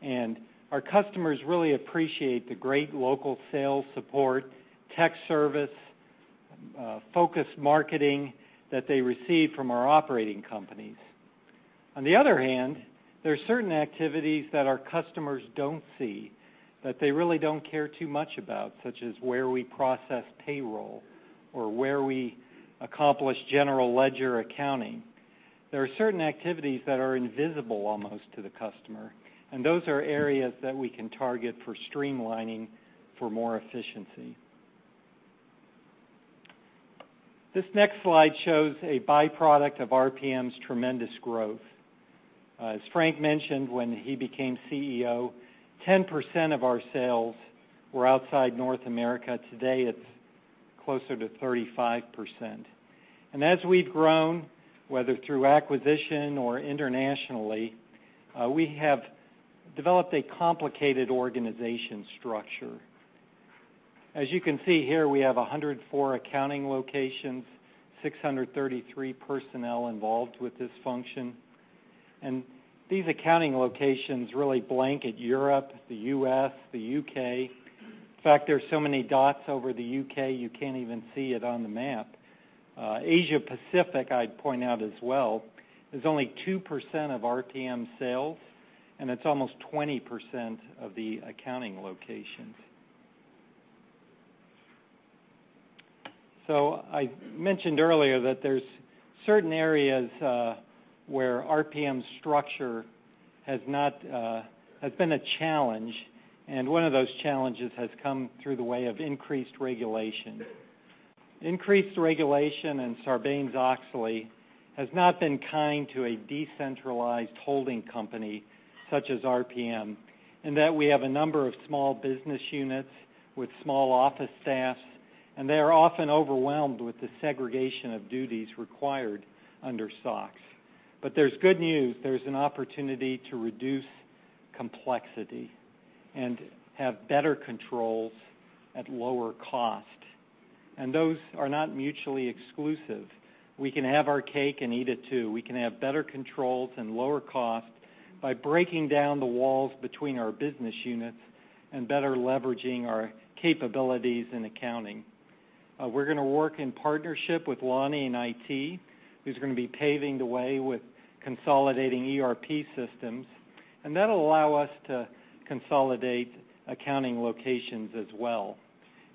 and our customers really appreciate the great local sales support, tech service, focused marketing that they receive from our operating companies. On the other hand, there are certain activities that our customers don't see, that they really don't care too much about, such as where we process payroll or where we accomplish general ledger accounting. There are certain activities that are invisible almost to the customer, those are areas that we can target for streamlining for more efficiency. This next slide shows a byproduct of RPM's tremendous growth. As Frank mentioned, when he became CEO, 10% of our sales were outside North America. Today, it's closer to 35%. As we've grown, whether through acquisition or internationally, we have developed a complicated organization structure. As you can see here, we have 104 accounting locations, 633 personnel involved with this function, and these accounting locations really blanket Europe, the U.S., the U.K. In fact, there's so many dots over the U.K., you can't even see it on the map. Asia Pacific, I'd point out as well, is only 2% of RPM sales, and it's almost 20% of the accounting locations. I mentioned earlier that there's certain areas where RPM's structure has been a challenge, and one of those challenges has come through the way of increased regulation. Increased regulation and Sarbanes-Oxley has not been kind to a decentralized holding company such as RPM, in that we have a number of small business units with small office staffs, and they are often overwhelmed with the segregation of duties required under SOX. There's good news. There's an opportunity to reduce complexity and have better controls at lower cost, and those are not mutually exclusive. We can have our cake and eat it, too. We can have better controls and lower cost by breaking down the walls between our business units and better leveraging our capabilities in accounting. We're going to work in partnership with Lonny in IT, who's going to be paving the way with consolidating ERP systems, and that'll allow us to consolidate accounting locations as well.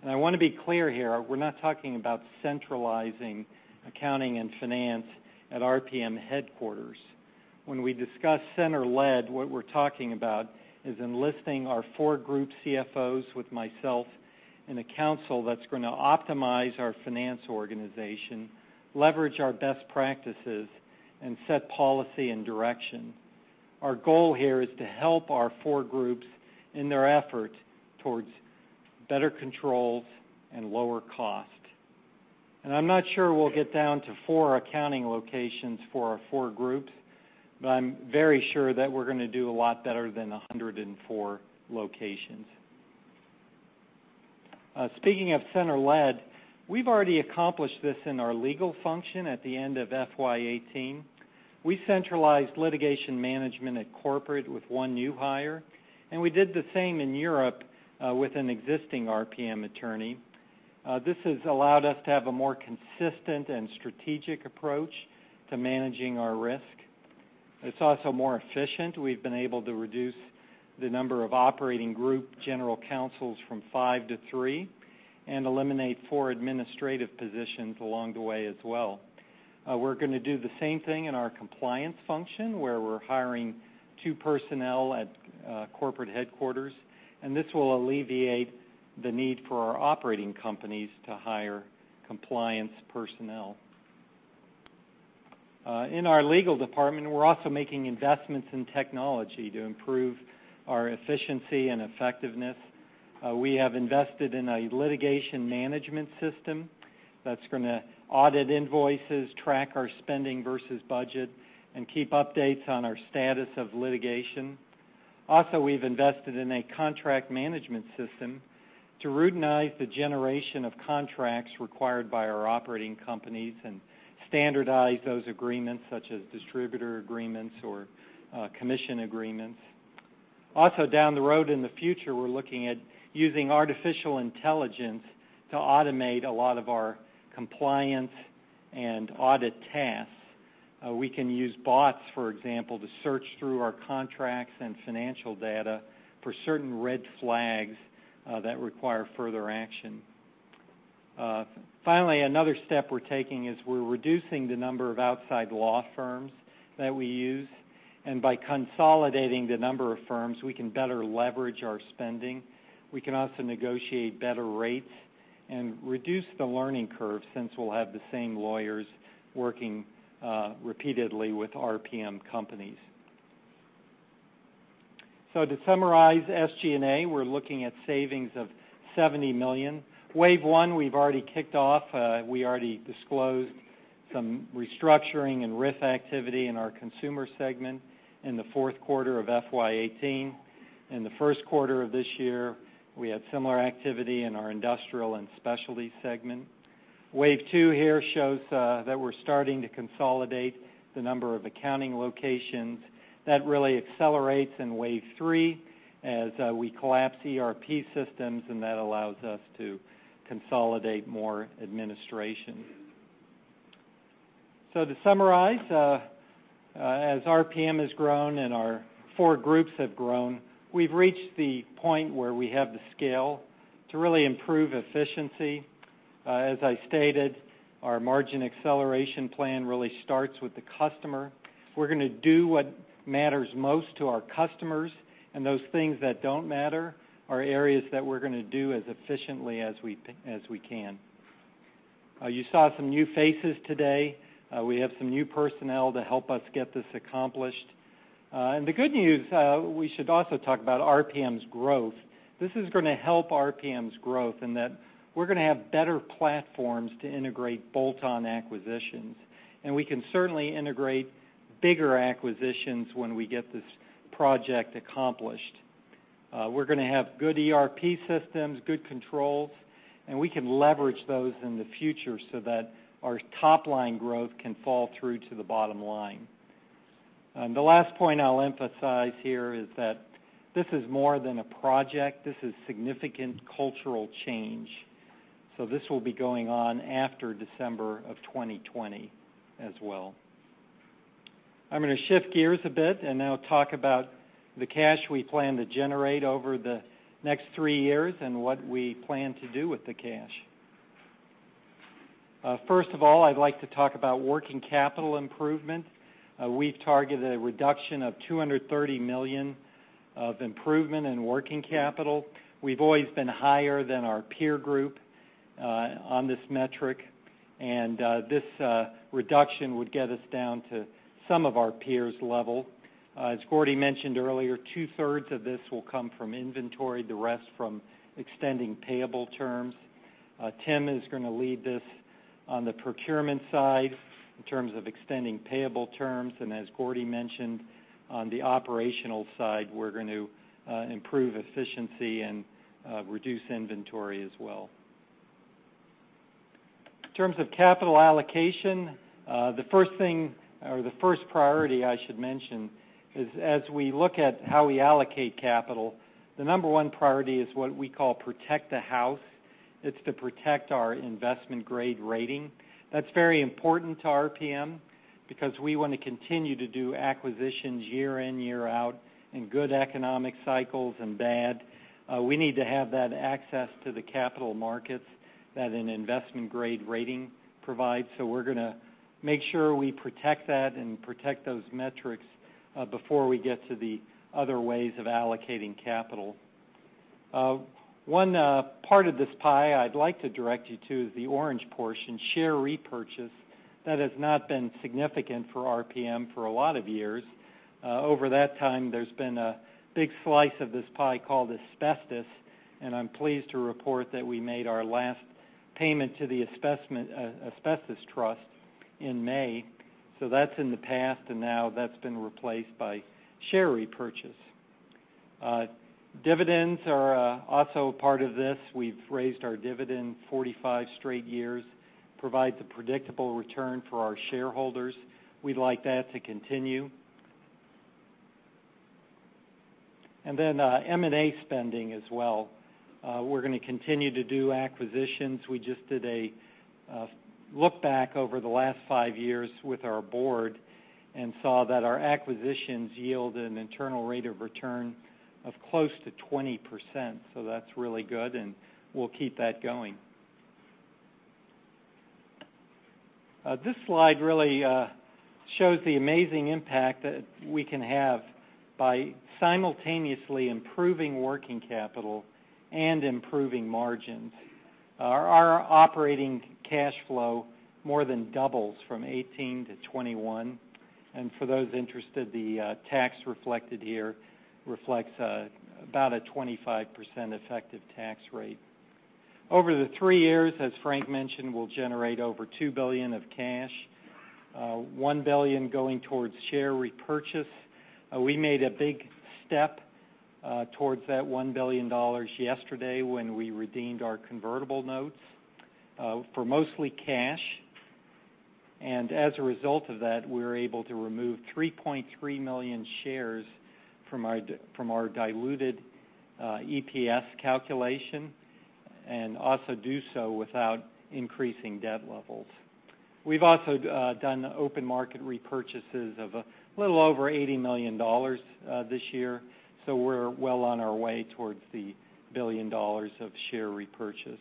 I want to be clear here, we're not talking about centralizing accounting and finance at RPM headquarters. When we discuss center-led, what we're talking about is enlisting our four group CFOs with myself in a council that's going to optimize our finance organization, leverage our best practices, and set policy and direction. Our goal here is to help our four groups in their effort towards better controls and lower cost. I'm not sure we'll get down to four accounting locations for our four groups, but I'm very sure that we're going to do a lot better than 104 locations. Speaking of center-led, we've already accomplished this in our legal function at the end of FY 2018. We centralized litigation management at corporate with one new hire. We did the same in Europe with an existing RPM attorney. This has allowed us to have a more consistent and strategic approach to managing our risk. It's also more efficient. We've been able to reduce the number of operating group general counsels from five to three and eliminate four administrative positions along the way as well. We're going to do the same thing in our compliance function, where we're hiring two personnel at corporate headquarters. This will alleviate the need for our operating companies to hire compliance personnel. In our legal department, we're also making investments in technology to improve our efficiency and effectiveness. We have invested in a litigation management system that's going to audit invoices, track our spending versus budget, and keep updates on our status of litigation. We've invested in a contract management system to routinize the generation of contracts required by our operating companies and standardize those agreements, such as distributor agreements or commission agreements. Down the road in the future, we're looking at using artificial intelligence to automate a lot of our compliance and audit tasks. We can use bots, for example, to search through our contracts and financial data for certain red flags that require further action. Another step we're taking is we're reducing the number of outside law firms that we use. By consolidating the number of firms, we can better leverage our spending. We can also negotiate better rates and reduce the learning curve since we'll have the same lawyers working repeatedly with RPM companies. To summarize SG&A, we're looking at savings of $70 million. Wave one, we've already kicked off. We already disclosed some restructuring and RIF activity in our consumer segment in the fourth quarter of FY 2018. In the first quarter of this year, we had similar activity in our industrial and specialty segment. Wave 2 here shows that we're starting to consolidate the number of accounting locations. That really accelerates in wave 3 as we collapse ERP systems, and that allows us to consolidate more administration. To summarize, as RPM has grown and our four groups have grown, we've reached the point where we have the scale to really improve efficiency. As I stated, our margin acceleration plan really starts with the customer. We're going to do what matters most to our customers, and those things that don't matter are areas that we're going to do as efficiently as we can. You saw some new faces today. We have some new personnel to help us get this accomplished. The good news, we should also talk about RPM's growth. This is going to help RPM's growth in that we're going to have better platforms to integrate bolt-on acquisitions, and we can certainly integrate bigger acquisitions when we get this project accomplished. We're going to have good ERP systems, good controls, and we can leverage those in the future so that our top-line growth can fall through to the bottom line. The last point I'll emphasize here is that this is more than a project. This is significant cultural change. This will be going on after December of 2020 as well. I'm going to shift gears a bit and now talk about the cash we plan to generate over the next three years and what we plan to do with the cash. First of all, I'd like to talk about working capital improvements. We've targeted a reduction of $230 million of improvement in working capital. We've always been higher than our peer group on this metric, and this reduction would get us down to some of our peers' level. As Gordy mentioned earlier, two-thirds of this will come from inventory, the rest from extending payable terms. Tim is going to lead this on the procurement side in terms of extending payable terms, and as Gordy mentioned, on the operational side, we're going to improve efficiency and reduce inventory as well. In terms of capital allocation, the first priority I should mention is as we look at how we allocate capital, the number one priority is what we call protect the house. It's to protect our investment-grade rating. That's very important to RPM because we want to continue to do acquisitions year in, year out, in good economic cycles and bad. We need to have that access to the capital markets that an investment-grade rating provides. We're going to make sure we protect that and protect those metrics before we get to the other ways of allocating capital. One part of this pie I'd like to direct you to is the orange portion, share repurchase. That has not been significant for RPM for a lot of years. Over that time, there's been a big slice of this pie called asbestos, and I'm pleased to report that we made our last payment to the asbestos trust in May. That's in the past, and now that's been replaced by share repurchase. Dividends are also a part of this. We've raised our dividend 45 straight years, provide the predictable return for our shareholders. We'd like that to continue. Then M&A spending as well. We're going to continue to do acquisitions. We just did a look back over the last five years with our board and saw that our acquisitions yield an internal rate of return of close to 20%, so that's really good, and we'll keep that going. This slide really shows the amazing impact that we can have by simultaneously improving working capital and improving margins. Our operating cash flow more than doubles from 2018 to 2021, and for those interested, the tax reflected here reflects about a 25% effective tax rate. Over the three years, as Frank mentioned, we'll generate over $2 billion of cash, $1 billion going towards share repurchase. We made a big step towards that $1 billion yesterday when we redeemed our convertible notes for mostly cash. As a result of that, we were able to remove 3.3 million shares from our diluted EPS calculation, and also do so without increasing debt levels. We've also done open market repurchases of a little over $80 million this year, so we're well on our way towards the $1 billion of share repurchase.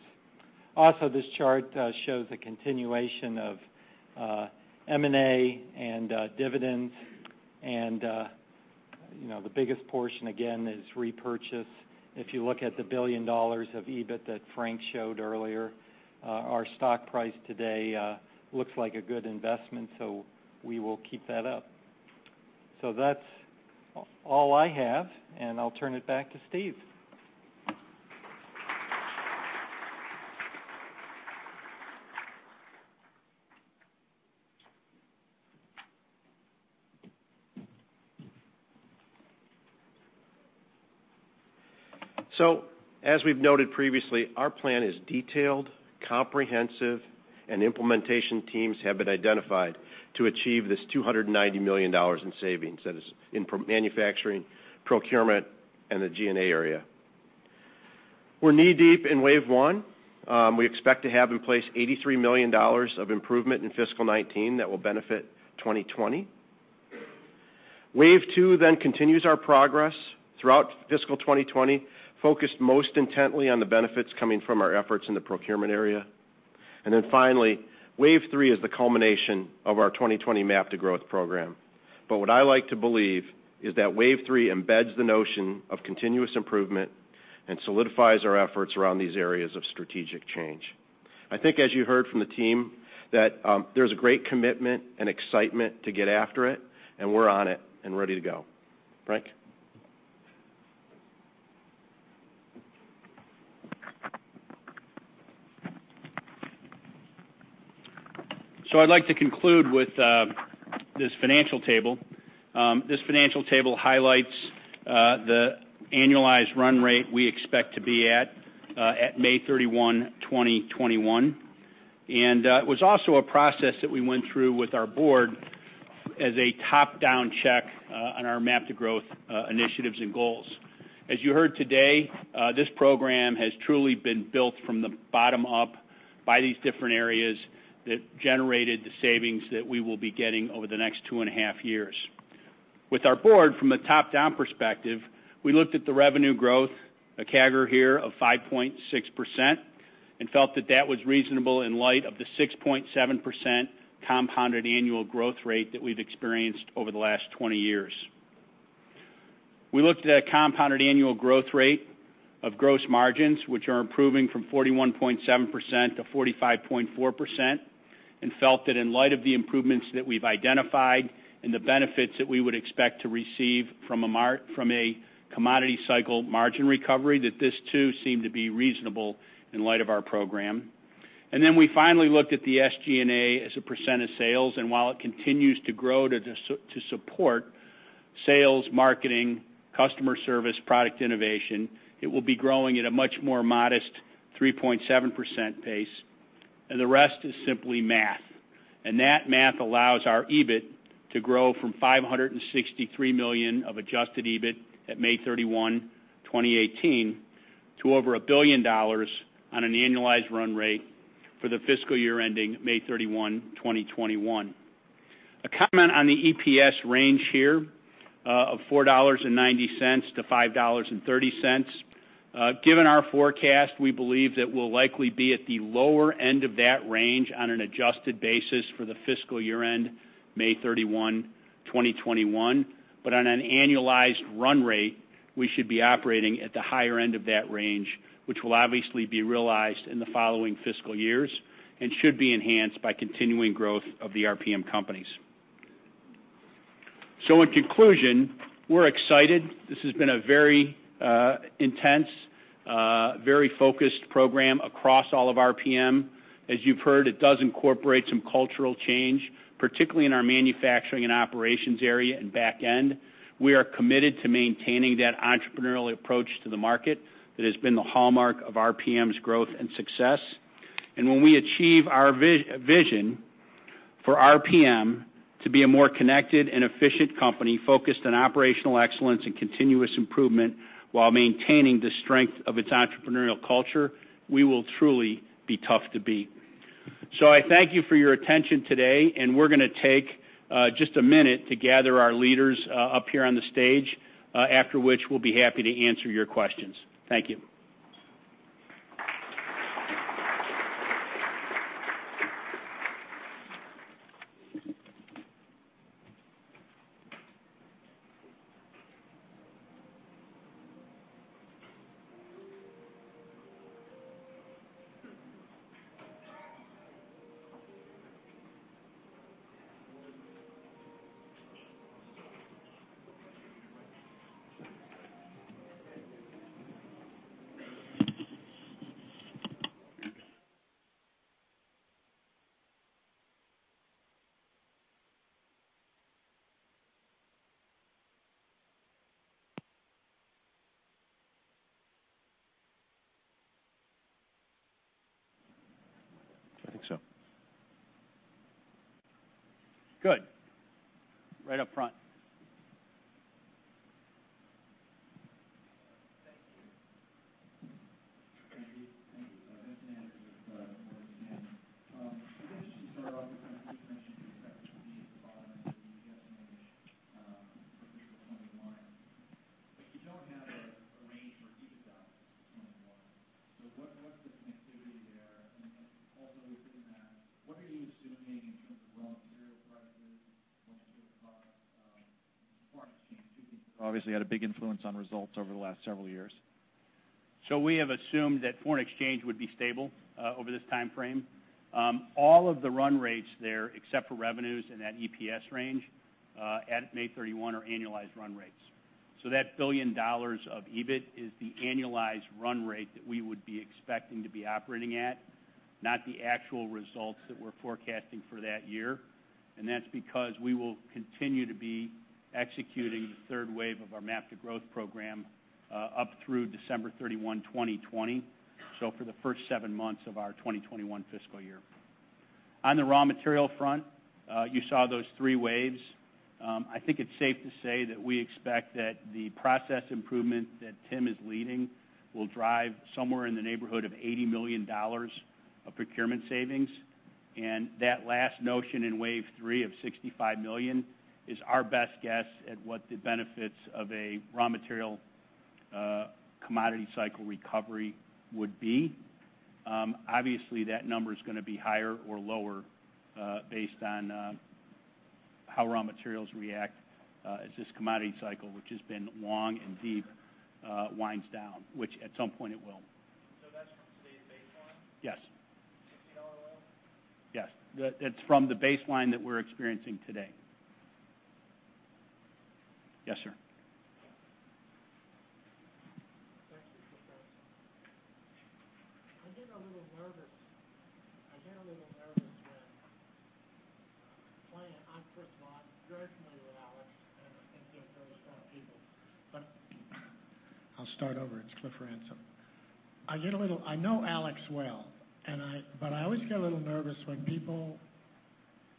Also, this chart shows a continuation of M&A and dividends, and the biggest portion, again, is repurchase. If you look at the $1 billion of EBIT that Frank showed earlier, our stock price today looks like a good investment, we will keep that up. That's all I have, and I'll turn it back to Steve. As we've noted previously, our plan is detailed, comprehensive, and implementation teams have been identified to achieve this $290 million in savings. That is in manufacturing, procurement, and the G&A area. We're knee-deep in Wave 1. We expect to have in place $83 million of improvement in fiscal 2019 that will benefit 2020. Wave 2 continues our progress throughout fiscal 2020, focused most intently on the benefits coming from our efforts in the procurement area. Finally, Wave 3 is the culmination of our 2020 MAP to Growth program. What I like to believe is that Wave 3 embeds the notion of continuous improvement and solidifies our efforts around these areas of strategic change. I think as you heard from the team, that there's a great commitment and excitement to get after it, and we're on it and ready to go. Frank? I'd like to conclude with this financial table. This financial table highlights the annualized run rate we expect to be at May 31, 2021, and it was also a process that we went through with our board as a top-down check on our MAP to Growth initiatives and goals. As you heard today, this program has truly been built from the bottom up by these different areas that generated the savings that we will be getting over the next two and a half years. With our board, from a top-down perspective, we looked at the revenue growth, a CAGR here of 5.6%, and felt that that was reasonable in light of the 6.7% compounded annual growth rate that we've experienced over the last 20 years. We looked at a compounded annual growth rate of gross margins, which are improving from 41.7% to 45.4%, and felt that in light of the improvements that we've identified and the benefits that we would expect to receive from a commodity cycle margin recovery, that this too seemed to be reasonable in light of our program. We finally looked at the SG&A as a % of sales, while it continues to grow to support sales, marketing, customer service, product innovation, it will be growing at a much more modest 3.7% pace, the rest is simply math. That math allows our EBIT to grow from $563 million of adjusted EBIT at May 31, 2018, to over $1 billion on an annualized run rate for the fiscal year ending May 31, 2021. A comment on the EPS range here of $4.90 to $5.30. Given our forecast, we believe that we'll likely be at the lower end of that range on an adjusted basis for the fiscal year-end May 31, 2021. On an annualized run rate, we should be operating at the higher end of that range, which will obviously be realized in the following fiscal years and should be enhanced by continuing growth of the RPM companies. In conclusion, we're excited. This has been a very intense, very focused program across all of RPM. As you've heard, it does incorporate some cultural change, particularly in our manufacturing and operations area and back end. We are committed to maintaining that entrepreneurial approach to the market that has been the hallmark of RPM's growth and success. When we achieve our vision for RPM to be a more connected and efficient company focused on operational excellence and continuous improvement while maintaining the strength of its entrepreneurial culture, we will truly be tough to beat. I thank you for your attention today, we're going to take just a minute to gather our leaders up here on the stage, after which we'll be happy to answer your questions. Thank you. I think so. Good. Right up front. Thank you. Thank you. Ben Sanders with Morgan Stanley. I'd be interested to start off with, you just mentioned the impact that could be at the bottom end of the EPS range for fiscal 2021. You don't have a range for EBITDA 2021. What's the connectivity there? Also within that, what are you assuming in terms of raw material prices, raw material costs, foreign exchange? Two things that obviously had a big influence on results over the last several years. We have assumed that foreign exchange would be stable over this time frame. All of the run rates there, except for revenues and that EPS range at May 31 are annualized run rates. That $1 billion of EBIT is the annualized run rate that we would be expecting to be operating at, not the actual results that we're forecasting for that year. That's because we will continue to be executing the third wave of our MAP to Growth program up through December 31, 2020, so for the first seven months of our 2021 fiscal year. On the raw material front, you saw those three waves. I think it's safe to say that we expect that the process improvement that Tim Kinzer is leading will drive somewhere in the neighborhood of $80 million of procurement savings. That last notion in Wave 3 of $65 million is our best guess at what the benefits of a raw material commodity cycle recovery would be. Obviously, that number is going to be higher or lower based on how raw materials react as this commodity cycle, which has been long and deep, winds down, which at some point it will. That's from today's baseline? Yes. $60 oil? Yes. It's from the baseline that we're experiencing today. Yes, sir. Thank you, Cliff Ransom. First of all, I'm very familiar with Alex. I think he has very strong people. I'll start over. It's Cliff Ransom. I know Alex well. I always get a little nervous when people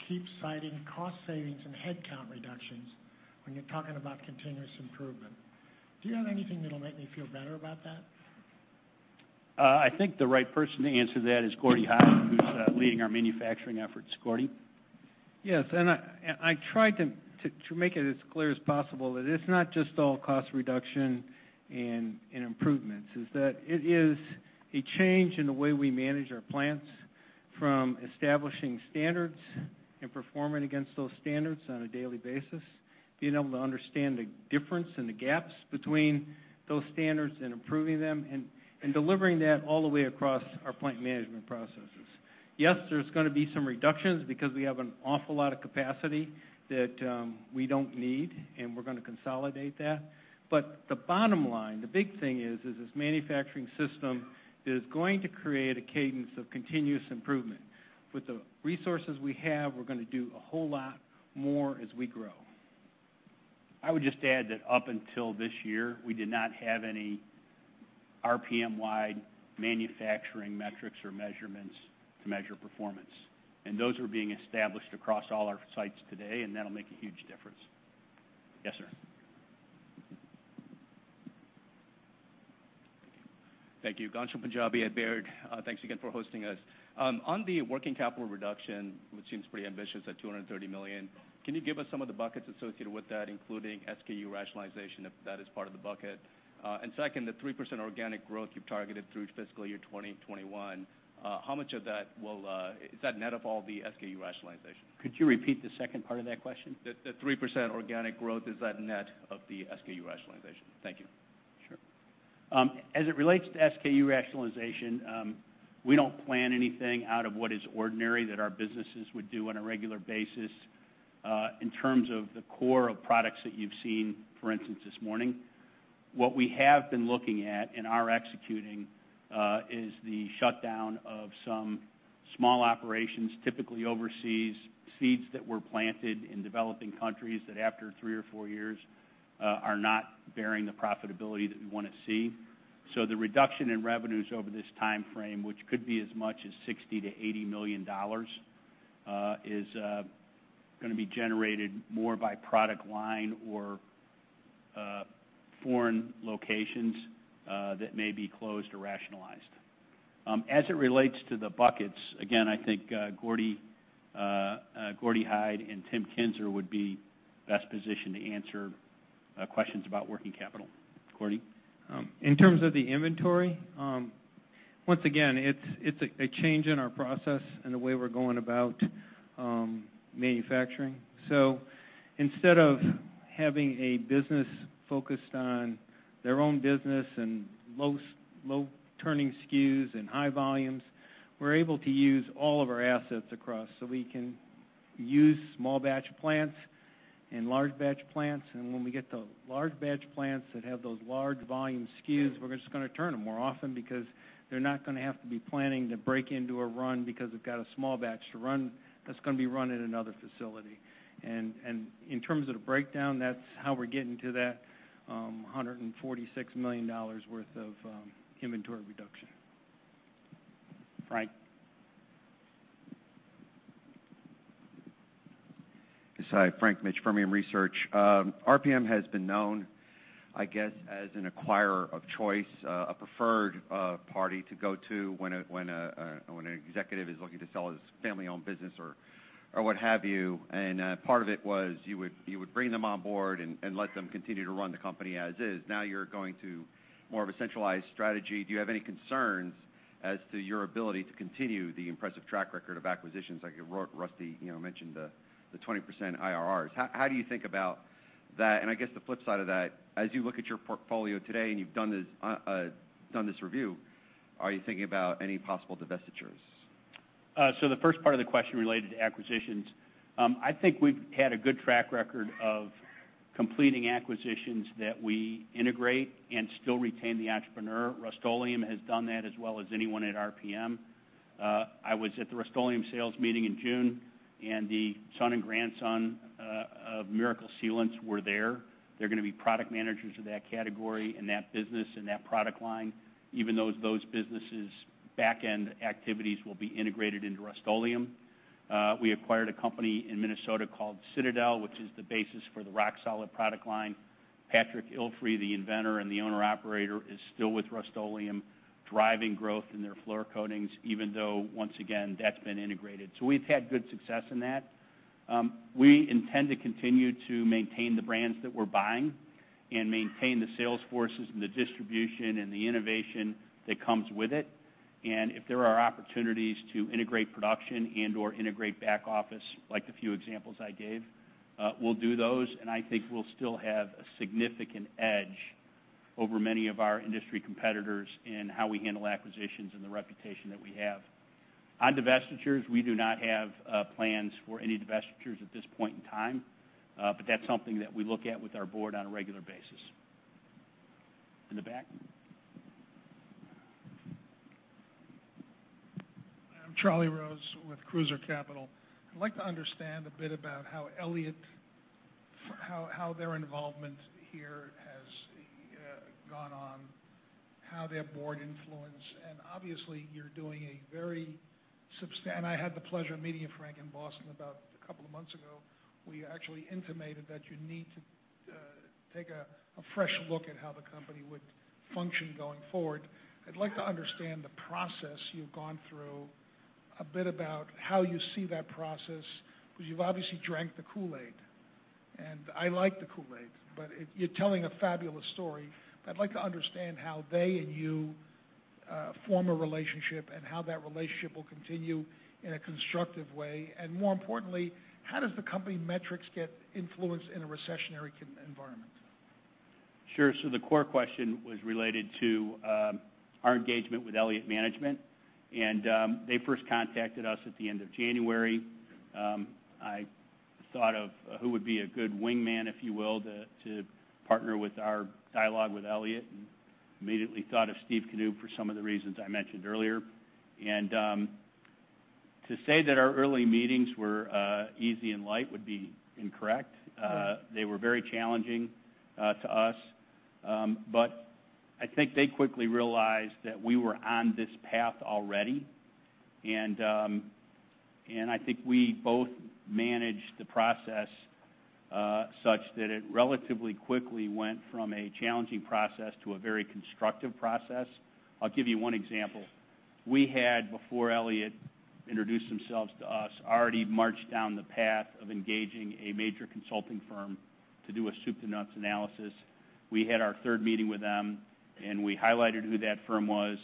keep citing cost savings and headcount reductions when you're talking about continuous improvement. Do you have anything that'll make me feel better about that? I think the right person to answer that is Gordy Hyde, who's leading our manufacturing efforts. Gordy? Yes. I tried to make it as clear as possible that it's not just all cost reduction and improvements, is that it is a change in the way we manage our plants from establishing standards and performing against those standards on a daily basis. Being able to understand the difference and the gaps between those standards and improving them, and delivering that all the way across our plant management processes. Yes, there's going to be some reductions because we have an awful lot of capacity that we don't need, and we're going to consolidate that. The bottom line, the big thing is this manufacturing system is going to create a cadence of continuous improvement. With the resources we have, we're going to do a whole lot more as we grow. I would just add that up until this year, we did not have any RPM-wide manufacturing metrics or measurements to measure performance. Those are being established across all our sites today, and that'll make a huge difference. Yes, sir. Thank you. Ghansham Panjabi at Baird. Thanks again for hosting us. On the working capital reduction, which seems pretty ambitious at $230 million, can you give us some of the buckets associated with that, including SKU rationalization, if that is part of the bucket? Second, the 3% organic growth you've targeted through fiscal year 2021, is that net of all the SKU rationalization? Could you repeat the second part of that question? The 3% organic growth, is that net of the SKU rationalization? Thank you. Sure. As it relates to SKU rationalization, we don't plan anything out of what is ordinary that our businesses would do on a regular basis in terms of the core of products that you've seen, for instance, this morning. What we have been looking at and are executing is the shutdown of some small operations, typically overseas, seeds that were planted in developing countries that after three or four years are not bearing the profitability that we want to see. The reduction in revenues over this timeframe, which could be as much as $60 million-$80 million, is going to be generated more by product line or foreign locations that may be closed or rationalized. As it relates to the buckets, again, I think Gordy Hyde and Tim Kinzer would be best positioned to answer questions about working capital. Gordy? In terms of the inventory, once again, it's a change in our process and the way we're going about manufacturing. Instead of having a business focused on their own business and low turning SKUs and high volumes, we're able to use all of our assets across. We can use small batch plants and large batch plants, and when we get those large batch plants that have those large volume SKUs, we're just going to turn them more often because they're not going to have to be planning to break into a run because they've got a small batch to run that's going to be run in another facility. In terms of the breakdown, that's how we're getting to that $146 million worth of inventory reduction. Frank. Yes, hi. Frank Mitsch, Fermium Research. RPM has been known, I guess, as an acquirer of choice, a preferred party to go to when an executive is looking to sell his family-owned business or what have you. Part of it was you would bring them on board and let them continue to run the company as is. Now you're going to more of a centralized strategy. Do you have any concerns as to your ability to continue the impressive track record of acquisitions like Rusty mentioned, the 20% IRRs? How do you think about that? I guess the flip side of that, as you look at your portfolio today and you've done this review, are you thinking about any possible divestitures? The first part of the question related to acquisitions. I think we've had a good track record of completing acquisitions that we integrate and still retain the entrepreneur. Rust-Oleum has done that as well as anyone at RPM. I was at the Rust-Oleum sales meeting in June, and the son and grandson of Miracle Sealants were there. They're going to be product managers of that category and that business and that product line, even though those businesses' back-end activities will be integrated into Rust-Oleum. We acquired a company in Minnesota called Citadel, which is the basis for the RockSolid product line. Patrick Ilfrey, the inventor and the owner-operator, is still with Rust-Oleum, driving growth in their floor coatings, even though, once again, that's been integrated. We've had good success in that. We intend to continue to maintain the brands that we're buying and maintain the sales forces and the distribution and the innovation that comes with it. If there are opportunities to integrate production and/or integrate back office, like the few examples I gave, we'll do those, and I think we'll still have a significant edge over many of our industry competitors in how we handle acquisitions and the reputation that we have. On divestitures, we do not have plans for any divestitures at this point in time. That's something that we look at with our board on a regular basis. In the back. I'm Charlie Rose with Cruiser Capital. I'd like to understand a bit about how Elliott, how their involvement here has gone on, how their board influence. I had the pleasure of meeting you, Frank, in Boston about a couple of months ago, where you actually intimated that you need to take a fresh look at how the company would function going forward. I'd like to understand the process you've gone through, a bit about how you see that process. You've obviously drank the Kool-Aid, and I like the Kool-Aid, but you're telling a fabulous story. I'd like to understand how they and you form a relationship and how that relationship will continue in a constructive way. More importantly, how does the company metrics get influenced in a recessionary environment? Sure. The core question was related to our engagement with Elliott Management. They first contacted us at the end of January. I thought of who would be a good wingman, if you will, to partner with our dialogue with Elliott, and immediately thought of Steve Knoop for some of the reasons I mentioned earlier. To say that our early meetings were easy and light would be incorrect. Sure. They were very challenging to us. I think they quickly realized that we were on this path already. I think we both managed the process such that it relatively quickly went from a challenging process to a very constructive process. I'll give you one example. We had, before Elliott introduced themselves to us, already marched down the path of engaging a major consulting firm to do a soup to nuts analysis. We had our third meeting with them, we highlighted who that firm was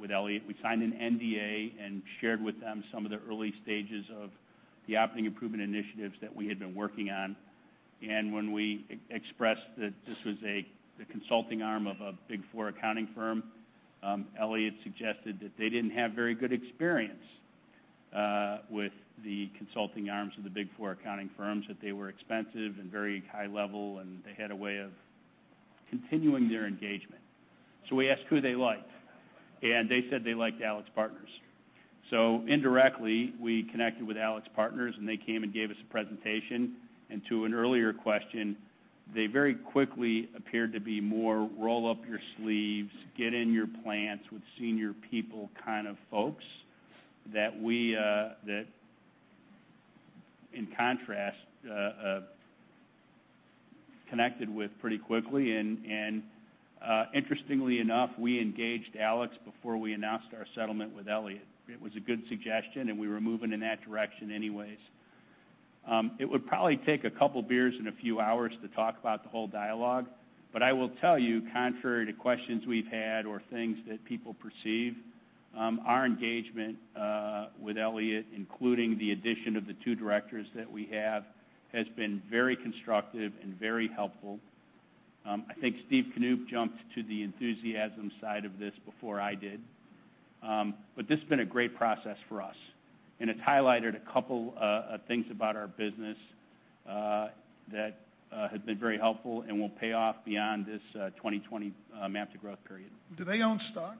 with Elliott. We signed an NDA and shared with them some of the early stages of the operating improvement initiatives that we had been working on. When we expressed that this was the consulting arm of a Big Four accounting firm, Elliott suggested that they didn't have very good experience with the consulting arms of the Big Four accounting firms, that they were expensive and very high level, and they had a way of continuing their engagement. We asked who they liked, and they said they liked AlixPartners. Indirectly, we connected with AlixPartners, and they came and gave us a presentation. To an earlier question, they very quickly appeared to be more roll up your sleeves, get in your plants with senior people kind of folks that in contrast, connected with pretty quickly. Interestingly enough, we engaged Alix before we announced our settlement with Elliott. It was a good suggestion, and we were moving in that direction anyways. It would probably take a couple of beers and a few hours to talk about the whole dialogue, I will tell you, contrary to questions we've had or things that people perceive, our engagement, with Elliott, including the addition of the two directors that we have, has been very constructive and very helpful. I think Steve Knoop jumped to the enthusiasm side of this before I did. This has been a great process for us, and it's highlighted a couple of things about our business that have been very helpful and will pay off beyond this 2020 MAP to Growth period. Do they own stock?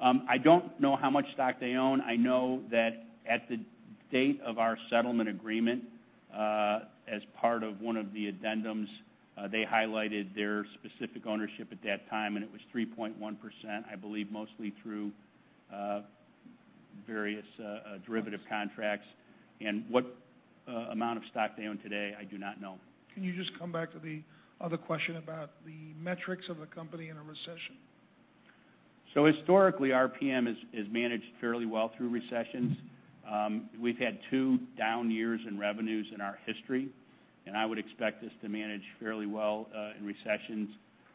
I don't know how much stock they own. I know that at the date of our settlement agreement, as part of one of the addendums, they highlighted their specific ownership at that time, and it was 3.1%, I believe, mostly through various derivative contracts. What amount of stock they own today, I do not know. Can you just come back to the other question about the metrics of the company in a recession? Historically, RPM is managed fairly well through recessions. We've had two down years in revenues in our history. I would expect us to manage fairly well in recessions.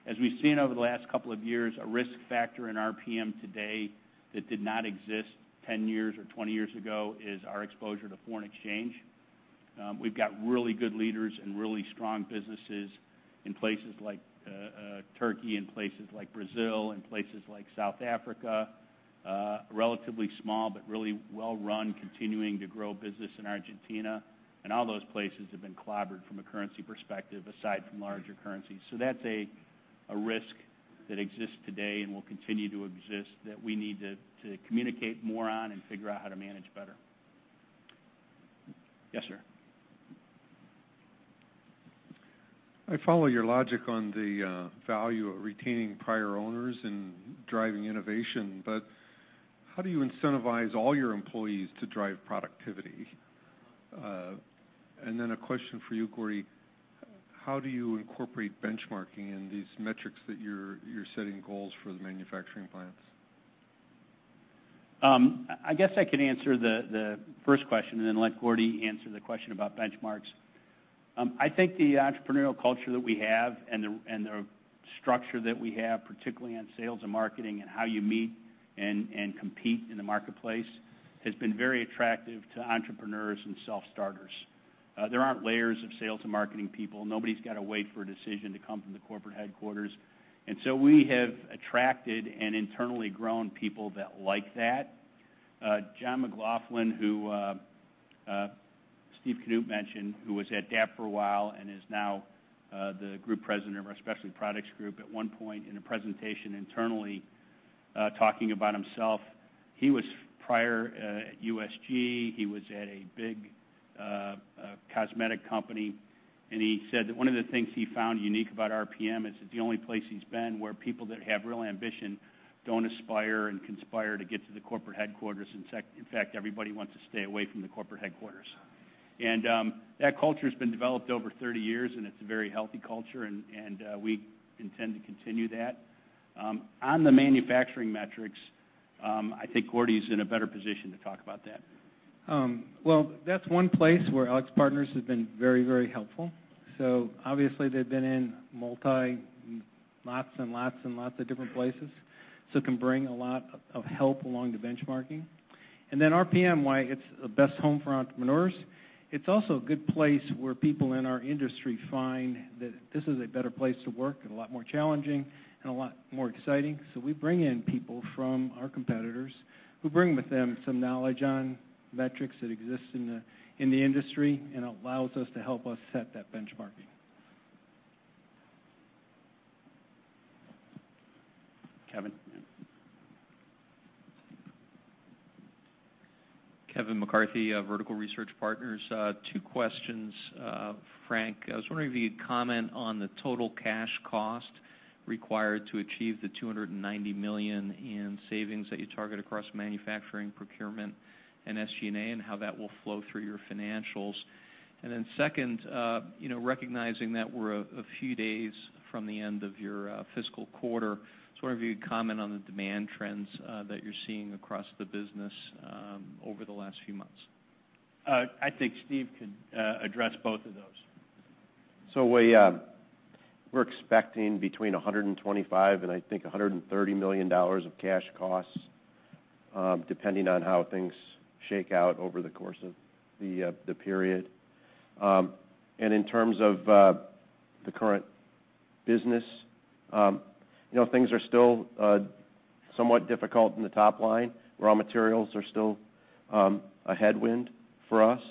As we've seen over the last couple of years, a risk factor in RPM today that did not exist 10 years or 20 years ago is our exposure to foreign exchange. We've got really good leaders and really strong businesses in places like Turkey and places like Brazil and places like South Africa. Relatively small, but really well run, continuing to grow business in Argentina. All those places have been clobbered from a currency perspective, aside from larger currencies. That's a risk that exists today and will continue to exist that we need to communicate more on and figure out how to manage better. Yes, sir. I follow your logic on the value of retaining prior owners and driving innovation. How do you incentivize all your employees to drive productivity? A question for you, Gordy. How do you incorporate benchmarking in these metrics that you're setting goals for the manufacturing plants? I guess I can answer the first question. Let Gordy answer the question about benchmarks. I think the entrepreneurial culture that we have and the structure that we have, particularly on sales and marketing and how you meet and compete in the marketplace, has been very attractive to entrepreneurs and self-starters. There aren't layers of sales and marketing people. Nobody's got to wait for a decision to come from the corporate headquarters. We have attracted and internally grown people that like that. John McLaughlin, who Steve Knoop mentioned, who was at DAP for a while and is now the group president of our Specialty Products Group, at one point in a presentation internally talking about himself, he was prior at USG, he was at a big cosmetic company, and he said that one of the things he found unique about RPM is it's the only place he's been where people that have real ambition don't aspire and conspire to get to the corporate headquarters. In fact, everybody wants to stay away from the corporate headquarters. That culture's been developed over 30 years, and it's a very healthy culture, and we intend to continue that. On the manufacturing metrics, I think Gordy's in a better position to talk about that. Well, that's one place where AlixPartners has been very helpful. Obviously, they've been in lots and lots of different places, so can bring a lot of help along the benchmarking. RPM, why it's the best home for entrepreneurs, it's also a good place where people in our industry find that this is a better place to work and a lot more challenging and a lot more exciting. We bring in people from our competitors who bring with them some knowledge on metrics that exist in the industry and allows us to help us set that benchmarking. Kevin. Kevin McCarthy, Vertical Research Partners. Two questions. Frank, I was wondering if you could comment on the total cash cost required to achieve the $290 million in savings that you target across manufacturing, procurement, and SG&A, and how that will flow through your financials. Second, recognizing that we're a few days from the end of your fiscal quarter, just wondering if you could comment on the demand trends that you're seeing across the business over the last few months. I think Steve could address both of those. We're expecting between $125 million and I think $130 million of cash costs, depending on how things shake out over the course of the period. In terms of the current business, things are still somewhat difficult in the top line. Raw materials are still a headwind for us.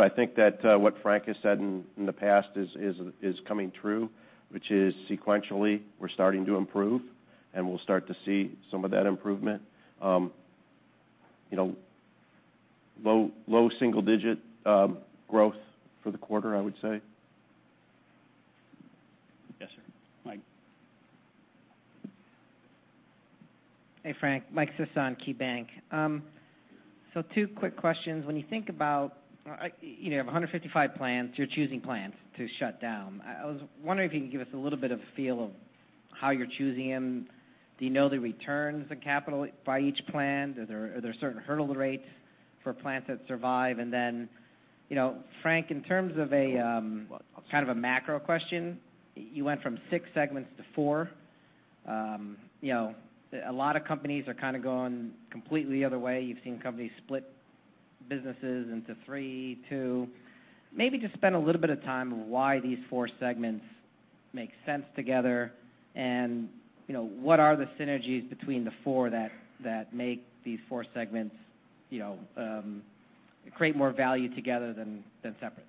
I think that what Frank has said in the past is coming true, which is sequentially, we're starting to improve, and we'll start to see some of that improvement. Low single-digit growth for the quarter, I would say. Yes, sir. Mike. Hey, Frank. Mike Sison, KeyBanc. Two quick questions. When you think about you have 155 plants, you're choosing plants to shut down. I was wondering if you could give us a little bit of a feel of how you're choosing them. Do you know the returns on capital by each plant? Are there certain hurdle rates for plants that survive? Then, Frank, in terms of a kind of a macro question, you went from six segments to four. A lot of companies are kind of going completely the other way. You've seen companies split businesses into three, two. Maybe just spend a little bit of time on why these four segments make sense together and what are the synergies between the four that make these four segments create more value together than separate.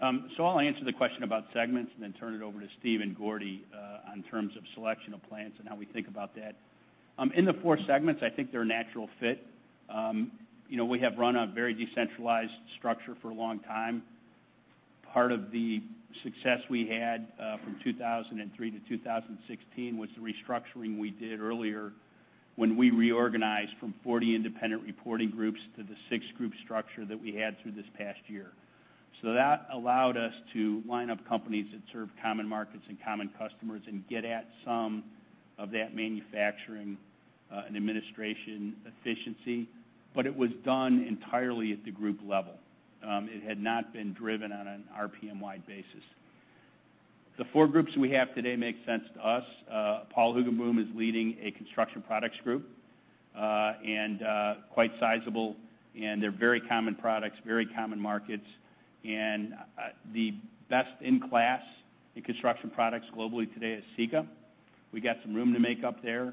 I'll answer the question about segments and then turn it over to Steve and Gordy on terms of selection of plants and how we think about that. In the four segments, I think they're a natural fit. We have run a very decentralized structure for a long time. Part of the success we had from 2003 to 2016 was the restructuring we did earlier when we reorganized from 40 independent reporting groups to the six group structure that we had through this past year. That allowed us to line up companies that serve common markets and common customers and get at some of that manufacturing and administration efficiency. It was done entirely at the group level. It had not been driven on an RPM-wide basis. The four groups we have today make sense to us. Paul Hoogenboom is leading a construction products group, quite sizable, they're very common products, very common markets. The best in class in construction products globally today is Sika. We got some room to make up there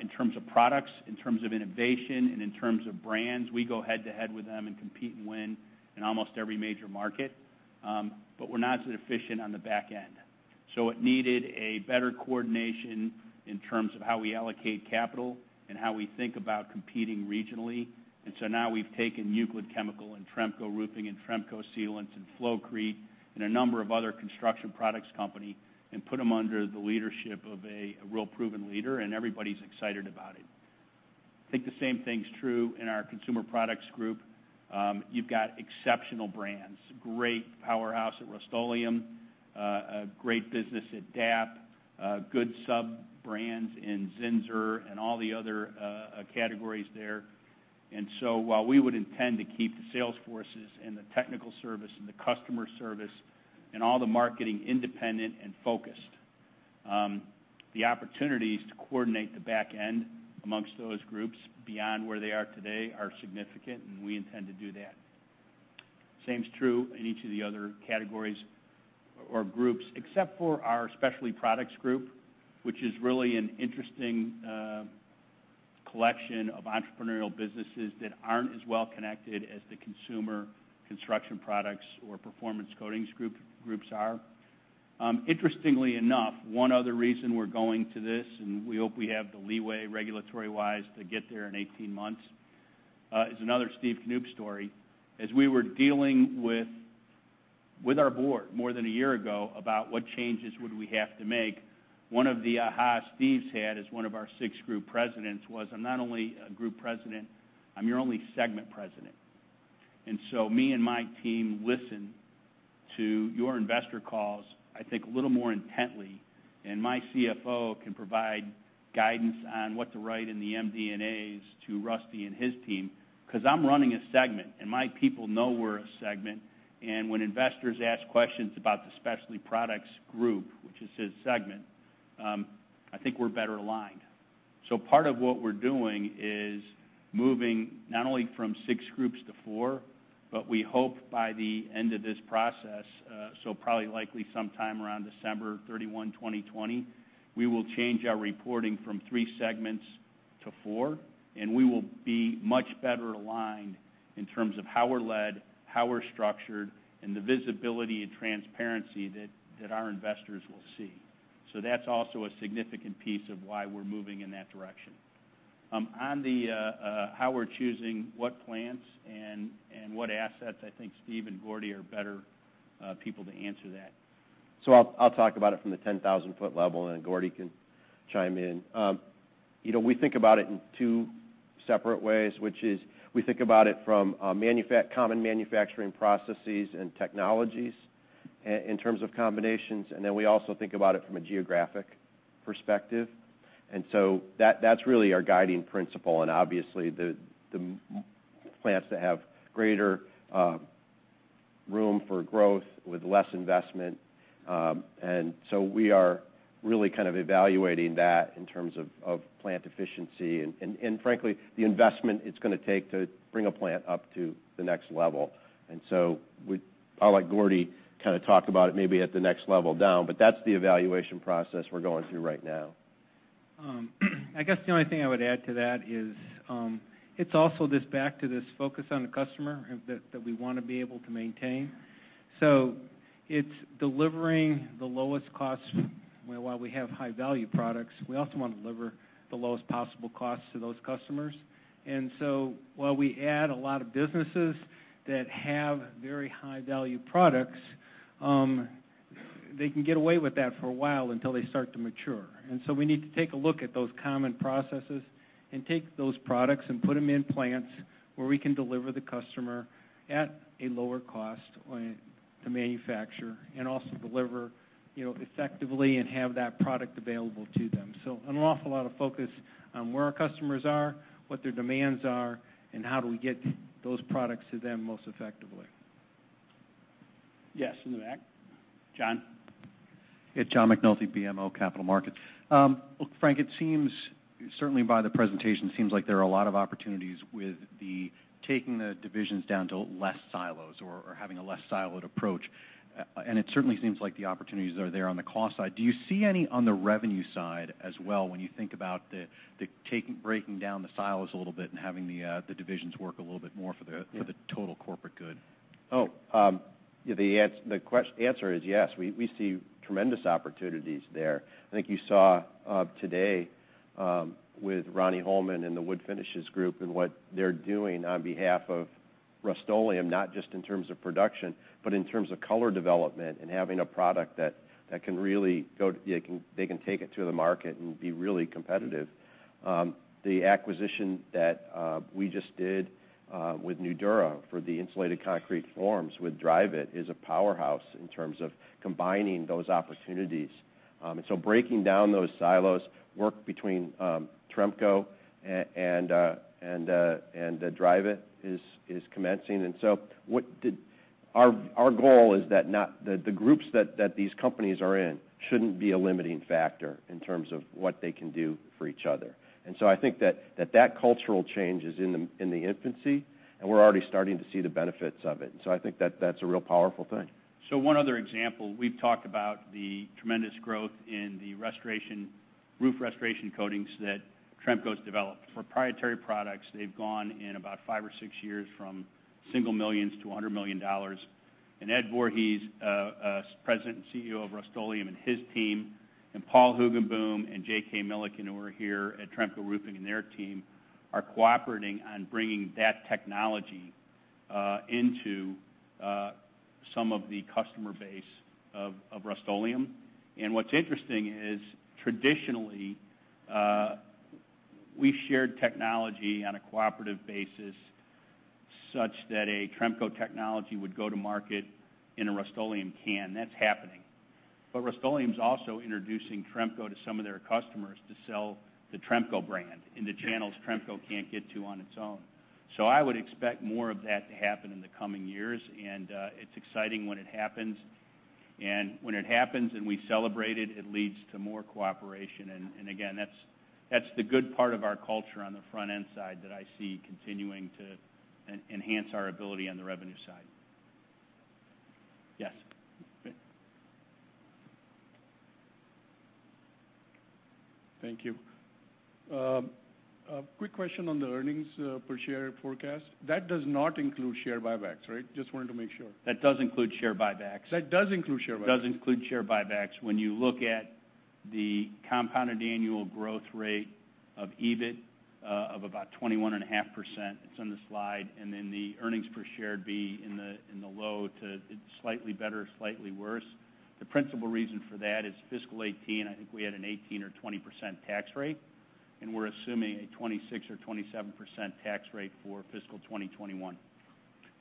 in terms of products, in terms of innovation, and in terms of brands. We go head to head with them and compete and win in almost every major market. We're not as efficient on the back end. It needed a better coordination in terms of how we allocate capital and how we think about competing regionally. Now we've taken Euclid Chemical and Tremco Roofing and Tremco Sealants and Flowcrete and a number of other construction products company and put them under the leadership of a real proven leader, everybody's excited about it. I think the same thing's true in our consumer products group. You've got exceptional brands, great powerhouse at Rust-Oleum, a great business at DAP, good sub-brands in Zinsser and all the other categories there. While we would intend to keep the sales forces and the technical service and the customer service and all the marketing independent and focused, the opportunities to coordinate the back end amongst those groups beyond where they are today are significant, and we intend to do that. Same is true in each of the other categories or groups, except for our Specialty Products Group, which is really an interesting collection of entrepreneurial businesses that aren't as well-connected as the consumer construction products or performance coatings groups are. Interestingly enough, one other reason we're going to this, and we hope we have the leeway regulatory-wise to get there in 18 months, is another Steve Knoop story. As we were dealing with our board more than a year ago about what changes would we have to make, one of the "Aha!" Steve had as one of our six group presidents was, "I'm not only a group president, I'm your only segment president. Me and my team listen to your investor calls, I think, a little more intently, and my CFO can provide guidance on what to write in the MD&As to Rusty and his team, because I'm running a segment, and my people know we're a segment. When investors ask questions about the Specialty Products Group, which is his segment, "I think we're better aligned." Part of what we're doing is moving not only from six groups to four, but we hope by the end of this process, probably likely sometime around December 31, 2020, we will change our reporting from three segments to four, and we will be much better aligned in terms of how we're led, how we're structured, and the visibility and transparency that our investors will see. That's also a significant piece of why we're moving in that direction. On how we're choosing what plants and what assets, I think Steve and Gordy are better people to answer that. I'll talk about it from the 10,000-foot level, and then Gordy can chime in. We think about it in two separate ways, which is we think about it from common manufacturing processes and technologies in terms of combinations, and then we also think about it from a geographic perspective. That's really our guiding principle, and obviously, the plants that have greater room for growth with less investment. We are really kind of evaluating that in terms of plant efficiency and frankly, the investment it's going to take to bring a plant up to the next level. I'll let Gordy kind of talk about it maybe at the next level down, but that's the evaluation process we're going through right now. I guess the only thing I would add to that is it's also back to this focus on the customer that we want to be able to maintain. It's delivering the lowest cost. While we have high-value products, we also want to deliver the lowest possible cost to those customers. While we add a lot of businesses that have very high-value products, they can get away with that for a while until they start to mature. We need to take a look at those common processes and take those products and put them in plants where we can deliver the customer at a lower cost to manufacture and also deliver effectively and have that product available to them. An awful lot of focus on where our customers are, what their demands are, and how do we get those products to them most effectively. Yes, in the back. John? Yeah. John McNulty, BMO Capital Markets. Look, Frank, certainly by the presentation, it seems like there are a lot of opportunities with the taking the divisions down to less silos or having a less siloed approach, and it certainly seems like the opportunities are there on the cost side. Do you see any on the revenue side as well when you think about the breaking down the silos a little bit and having the divisions work a little bit more for the total corporate good? The answer is yes. We see tremendous opportunities there. I think you saw today with Ronnie Holman and the wood finishes group and what they're doing on behalf of Rust-Oleum, not just in terms of production, but in terms of color development and having a product that they can take it to the market and be really competitive. The acquisition that we just did with Nudura for the insulated concrete forms with Dryvit is a powerhouse in terms of combining those opportunities. Breaking down those silos, work between Tremco and Dryvit is commencing. Our goal is that the groups that these companies are in shouldn't be a limiting factor in terms of what they can do for each other. I think that that cultural change is in the infancy, and we're already starting to see the benefits of it. I think that that's a real powerful thing. One other example, we've talked about the tremendous growth in the roof restoration coatings that Tremco's developed. Proprietary products, they've gone in about 5 or 6 years from single millions to $100 million. Ed Voorhees, President and CEO of Rust-Oleum, and his team, Paul Hoogenboom, and J.K. Milliken, who are here at Tremco Roofing, and their team are cooperating on bringing that technology into some of the customer base of Rust-Oleum. What's interesting is, traditionally, we've shared technology on a cooperative basis such that a Tremco technology would go to market in a Rust-Oleum can. That's happening. Rust-Oleum's also introducing Tremco to some of their customers to sell the Tremco brand into channels Tremco can't get to on its own. I would expect more of that to happen in the coming years, and it's exciting when it happens. When it happens and we celebrate it leads to more cooperation. Again, that's the good part of our culture on the front-end side that I see continuing to enhance our ability on the revenue side. Yes. Thank you. A quick question on the earnings per share forecast. That does not include share buybacks, right? Just wanted to make sure. That does include share buybacks. That does include share buybacks? It does include share buybacks. When you look at the compounded annual growth rate of EBIT of about 21.5%, it's on the slide, the earnings per share would be in the low to slightly better, slightly worse. The principal reason for that is fiscal 2018, I think we had an 18% or 20% tax rate, we're assuming a 26% or 27% tax rate for fiscal 2021.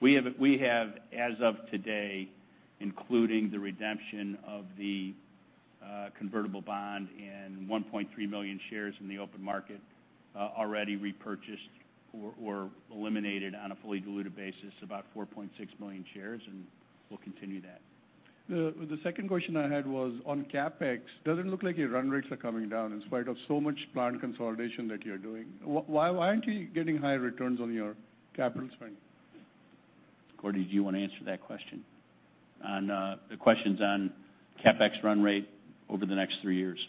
We have, as of today, including the redemption of the convertible bond and 1.3 million shares in the open market, already repurchased or eliminated on a fully diluted basis, about 4.6 million shares, we'll continue that. The second question I had was on CapEx. Doesn't look like your run rates are coming down in spite of so much plan consolidation that you're doing. Why aren't you getting higher returns on your capital spend? Gordy, do you want to answer that question? The question's on CapEx run rate over the next three years.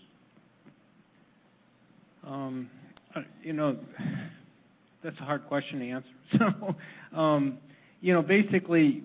That's a hard question to answer. Basically,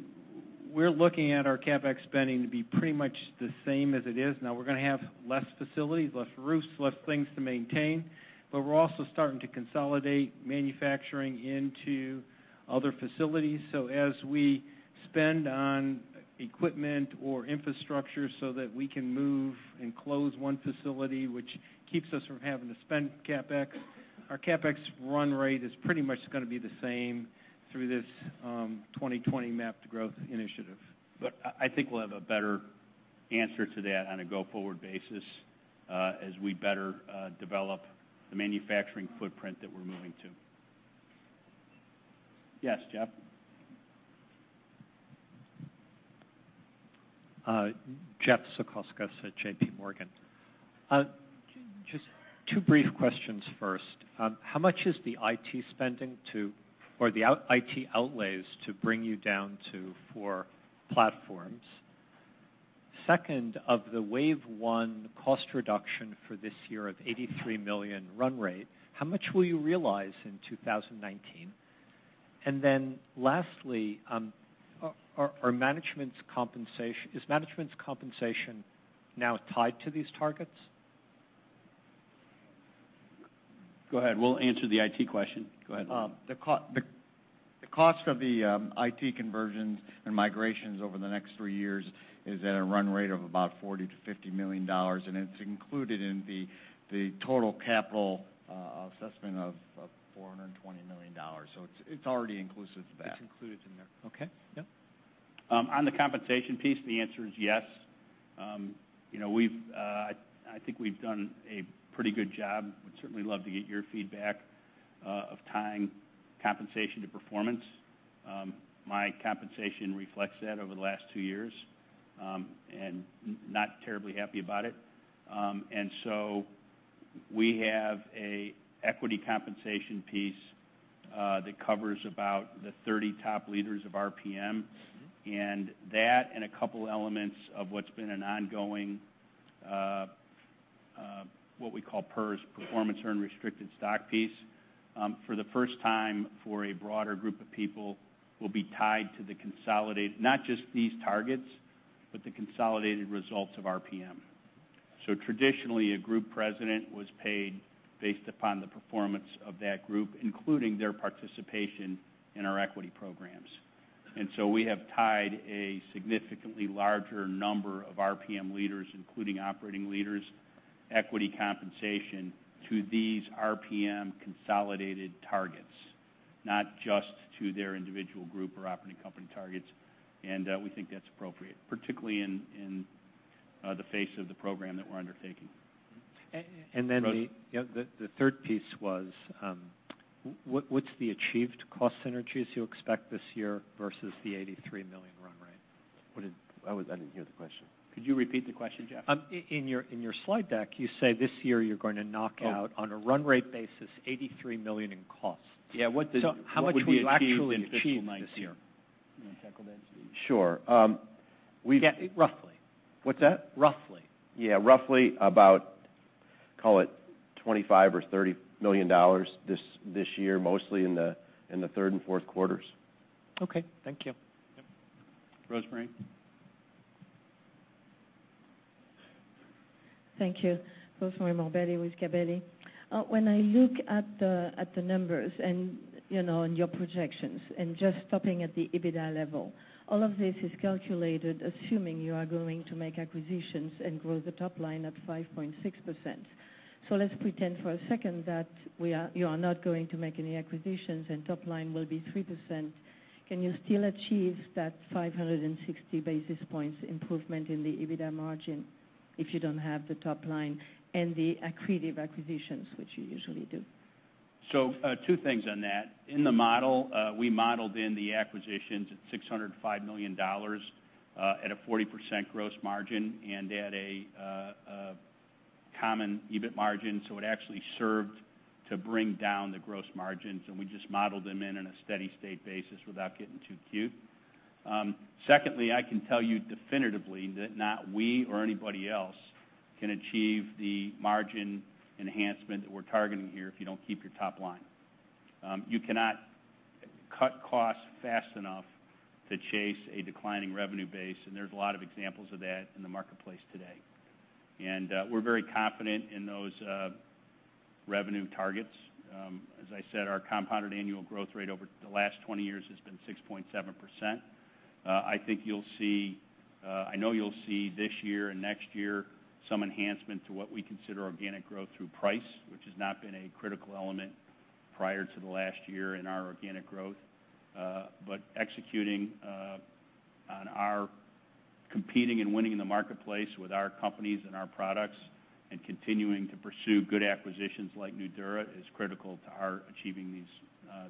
we're looking at our CapEx spending to be pretty much the same as it is now. We're going to have less facilities, less roofs, less things to maintain. We're also starting to consolidate manufacturing into other facilities. As we spend on equipment or infrastructure so that we can move and close one facility, which keeps us from having to spend CapEx, our CapEx run rate is pretty much going to be the same through this 2020 MAP to Growth initiative. I think we'll have a better answer to that on a go-forward basis, as we better develop the manufacturing footprint that we're moving to. Yes, Jeff? Jeffrey Zekauskas at J.P. Morgan. Just two brief questions first. How much is the IT spending to, or the IT outlays to bring you down to four platforms? Second, of the wave one cost reduction for this year of $83 million run rate, how much will you realize in 2019? Lastly, is management's compensation now tied to these targets? Go ahead. We'll answer the IT question. Go ahead. The cost of the IT conversions and migrations over the next three years is at a run rate of about $40 million-$50 million, it's included in the total capital assessment of $420 million. It's already inclusive of that. It's included in there. Okay. Yeah. On the compensation piece, the answer is yes. I think we've done a pretty good job, would certainly love to get your feedback, of tying compensation to performance. My compensation reflects that over the last two years, and not terribly happy about it. We have an equity compensation piece that covers about the 30 top leaders of RPM. That and a couple elements of what's been an ongoing, what we call PERS, performance earn restricted stock piece, for the first time for a broader group of people will be tied to the consolidate, not just these targets, but the consolidated results of RPM. Traditionally, a group president was paid based upon the performance of that group, including their participation in our equity programs. We have tied a significantly larger number of RPM leaders, including operating leaders, equity compensation to these RPM consolidated targets, not just to their individual group or operating company targets, and we think that's appropriate, particularly in the face of the program that we're undertaking. And then the- Rose. Yeah, the third piece was, what's the achieved cost synergies you expect this year versus the $83 million run rate? I didn't hear the question. Could you repeat the question, Jeff? In your slide deck, you say this year you're going to knock out, on a run rate basis, $83 million in costs. Yeah. how much will you actually achieve this year? What would be achieved in fiscal 2019? You want to tackle that, Steve? Sure. Yeah, roughly. What's that? Roughly. Yeah. Roughly about, call it, $25 million or $30 million this year, mostly in the third and fourth quarters. Okay. Thank you. Yep. Rosemarie? Thank you. Rosemarie Morbelli with Gabelli. When I look at the numbers and your projections, and just stopping at the EBITDA level, all of this is calculated assuming you are going to make acquisitions and grow the top line at 5.6%. Let's pretend for a second that you are not going to make any acquisitions and top line will be 3%. Can you still achieve that 560 basis points improvement in the EBITDA margin if you don't have the top line and the accretive acquisitions, which you usually do? Two things on that. In the model, we modeled in the acquisitions at $605 million, at a 40% gross margin and at a common EBIT margin. It actually served to bring down the gross margins, and we just modeled them in on a steady state basis without getting too cute. Secondly, I can tell you definitively that not we or anybody else can achieve the margin enhancement that we're targeting here if you don't keep your top line. You cannot cut costs fast enough to chase a declining revenue base, and there's a lot of examples of that in the marketplace today. We're very confident in those revenue targets. As I said, our compounded annual growth rate over the last 20 years has been 6.7%. I know you'll see this year and next year some enhancement to what we consider organic growth through price, which has not been a critical element prior to the last year in our organic growth. Executing on our competing and winning in the marketplace with our companies and our products and continuing to pursue good acquisitions like Nudura is critical to our achieving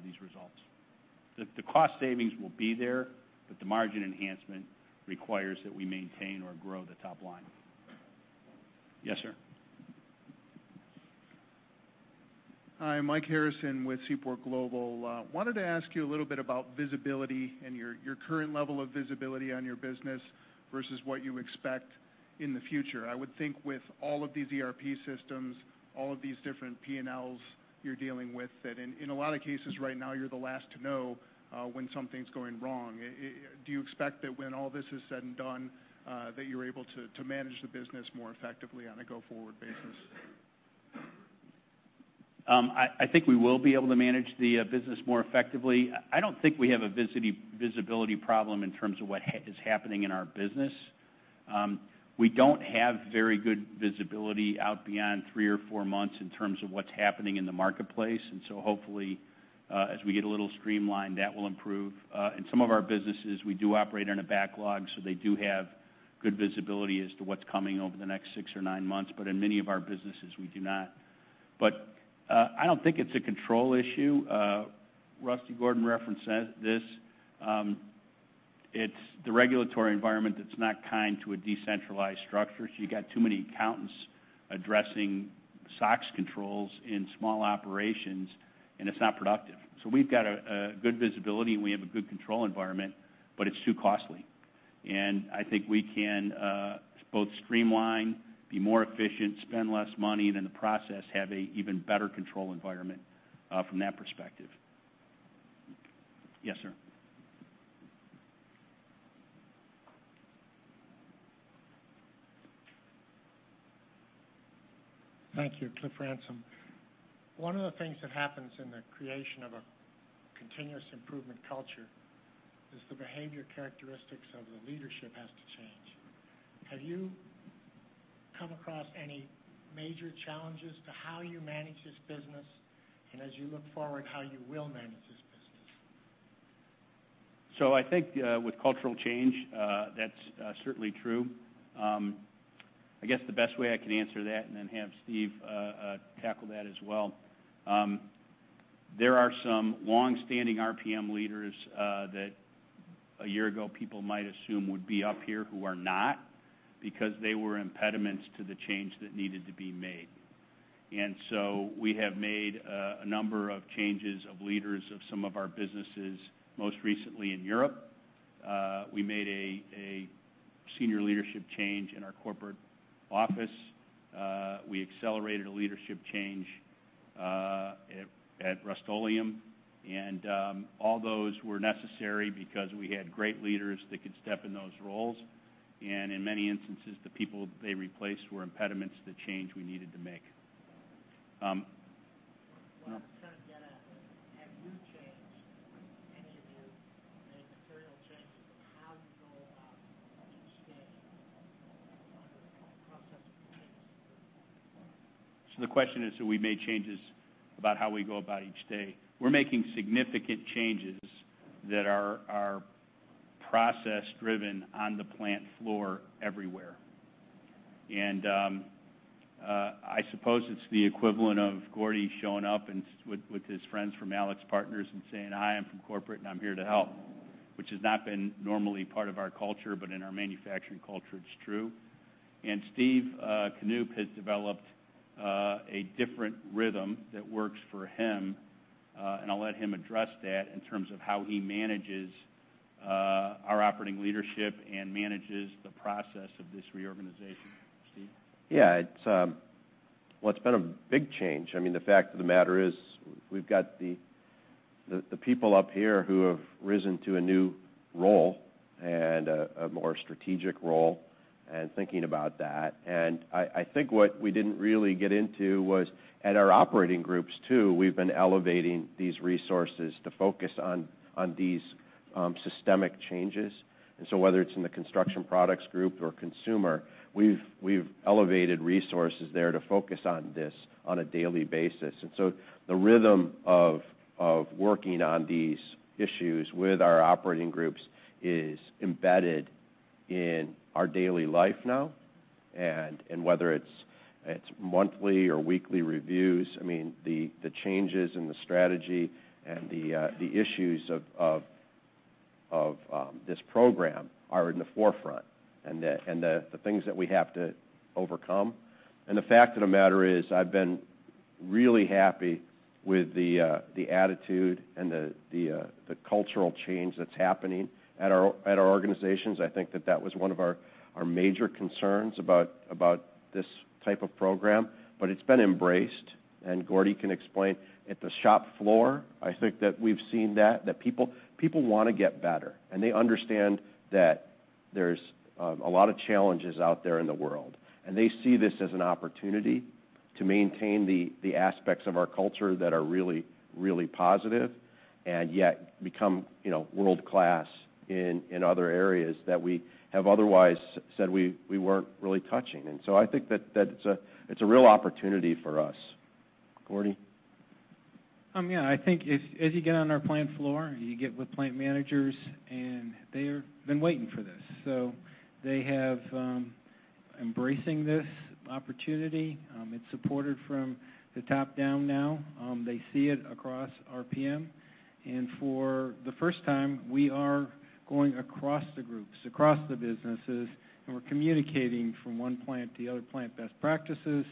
these results. The cost savings will be there, the margin enhancement requires that we maintain or grow the top line. Yes, sir. Hi, Michael Harrison with Seaport Global. Wanted to ask you a little bit about visibility and your current level of visibility on your business versus what you expect in the future. I would think with all of these ERP systems, all of these different P&Ls you're dealing with, that in a lot of cases right now, you're the last to know when something's going wrong. Do you expect that when all this is said and done, that you're able to manage the business more effectively on a go-forward basis? I think we will be able to manage the business more effectively. I don't think we have a visibility problem in terms of what is happening in our business. We don't have very good visibility out beyond three or four months in terms of what's happening in the marketplace. Hopefully, as we get a little streamlined, that will improve. In some of our businesses, we do operate on a backlog, so they do have good visibility as to what's coming over the next six or nine months. In many of our businesses, we do not. I don't think it's a control issue. Rusty Gordon referenced this. It's the regulatory environment that's not kind to a decentralized structure. You've got too many accountants addressing SOX controls in small operations, and it's not productive. We've got a good visibility, we have a good control environment, it's too costly. I think we can both streamline, be more efficient, spend less money, and in the process, have an even better control environment from that perspective. Yes, sir. Thank you. Cliff Ransom. One of the things that happens in the creation of a continuous improvement culture is the behavior characteristics of the leadership has to change. Have you come across any major challenges to how you manage this business and as you look forward, how you will manage this business? I think with cultural change, that's certainly true. I guess the best way I can answer that and then have Steve tackle that as well. There are some longstanding RPM leaders that a year ago people might assume would be up here who are not, because they were impediments to the change that needed to be made. We have made a number of changes of leaders of some of our businesses, most recently in Europe. We made a senior leadership change in our corporate office. We accelerated a leadership change at Rust-Oleum. All those were necessary because we had great leaders that could step in those roles. In many instances, the people they replaced were impediments to change we needed to make. What I'm kind of getting at is, have you changed, any of you, made material changes in how you go about each day under the process of continuous improvement? The question is, have we made changes about how we go about each day? We're making significant changes that are process-driven on the plant floor everywhere. I suppose it's the equivalent of Gordy showing up with his friends from AlixPartners and saying, "Hi, I'm from corporate, and I'm here to help," which has not been normally part of our culture, but in our manufacturing culture, it's true. Steve Knoop has developed a different rhythm that works for him. I'll let him address that in terms of how he manages our operating leadership and manages the process of this reorganization. Steve? Well, it's been a big change. I mean, the fact of the matter is, we've got the people up here who have risen to a new role and a more strategic role and thinking about that. I think what we didn't really get into was at our operating groups, too, we've been elevating these resources to focus on these systemic changes. Whether it's in the Construction Products Group or consumer, we've elevated resources there to focus on this on a daily basis. The rhythm of working on these issues with our operating groups is embedded in our daily life now. Whether it's monthly or weekly reviews, I mean, the changes in the strategy and the issues of this program are in the forefront, and the things that we have to overcome. The fact of the matter is, I've been really happy with the attitude and the cultural change that's happening at our organizations. I think that that was one of our major concerns about this type of program. It's been embraced, and Gordy can explain. At the shop floor, I think that we've seen that people want to get better, and they understand that there's a lot of challenges out there in the world, and they see this as an opportunity to maintain the aspects of our culture that are really, really positive and yet become world-class in other areas that we have otherwise said we weren't really touching. I think that it's a real opportunity for us. Gordy? Yeah. I think as you get on our plant floor, you get with plant managers, and they've been waiting for this. They have embracing this opportunity. It's supported from the top down now. They see it across RPM. For the first time, we are going across the groups, across the businesses, and we're communicating from one plant to the other plant best practices,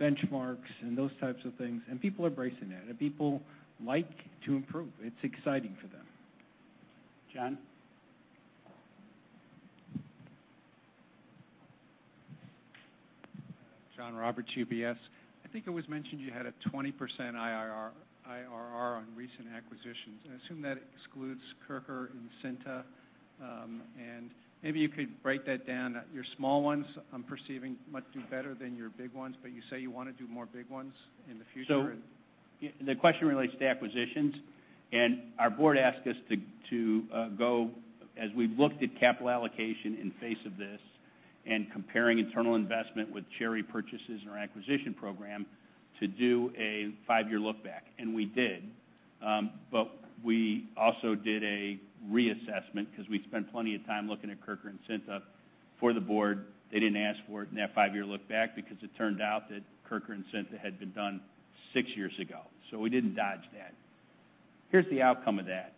benchmarks, and those types of things. People are embracing that. People like to improve. It's exciting for them. John? John Roberts, UBS. I think it was mentioned you had a 20% IRR on recent acquisitions. I assume that excludes Kirker and Cintia. Maybe you could break that down. Your small ones I'm perceiving much do better than your big ones, but you say you want to do more big ones in the future? The question relates to acquisitions. Our board asked us to go, as we've looked at capital allocation in face of this and comparing internal investment with cherry purchases in our acquisition program, to do a 5-year look back. We did, but we also did a reassessment because we'd spent plenty of time looking at Kirker and Cintia for the board. They didn't ask for it in that 5-year look back because it turned out that Kirker and Cintia had been done 6 years ago. We didn't dodge that. Here's the outcome of that.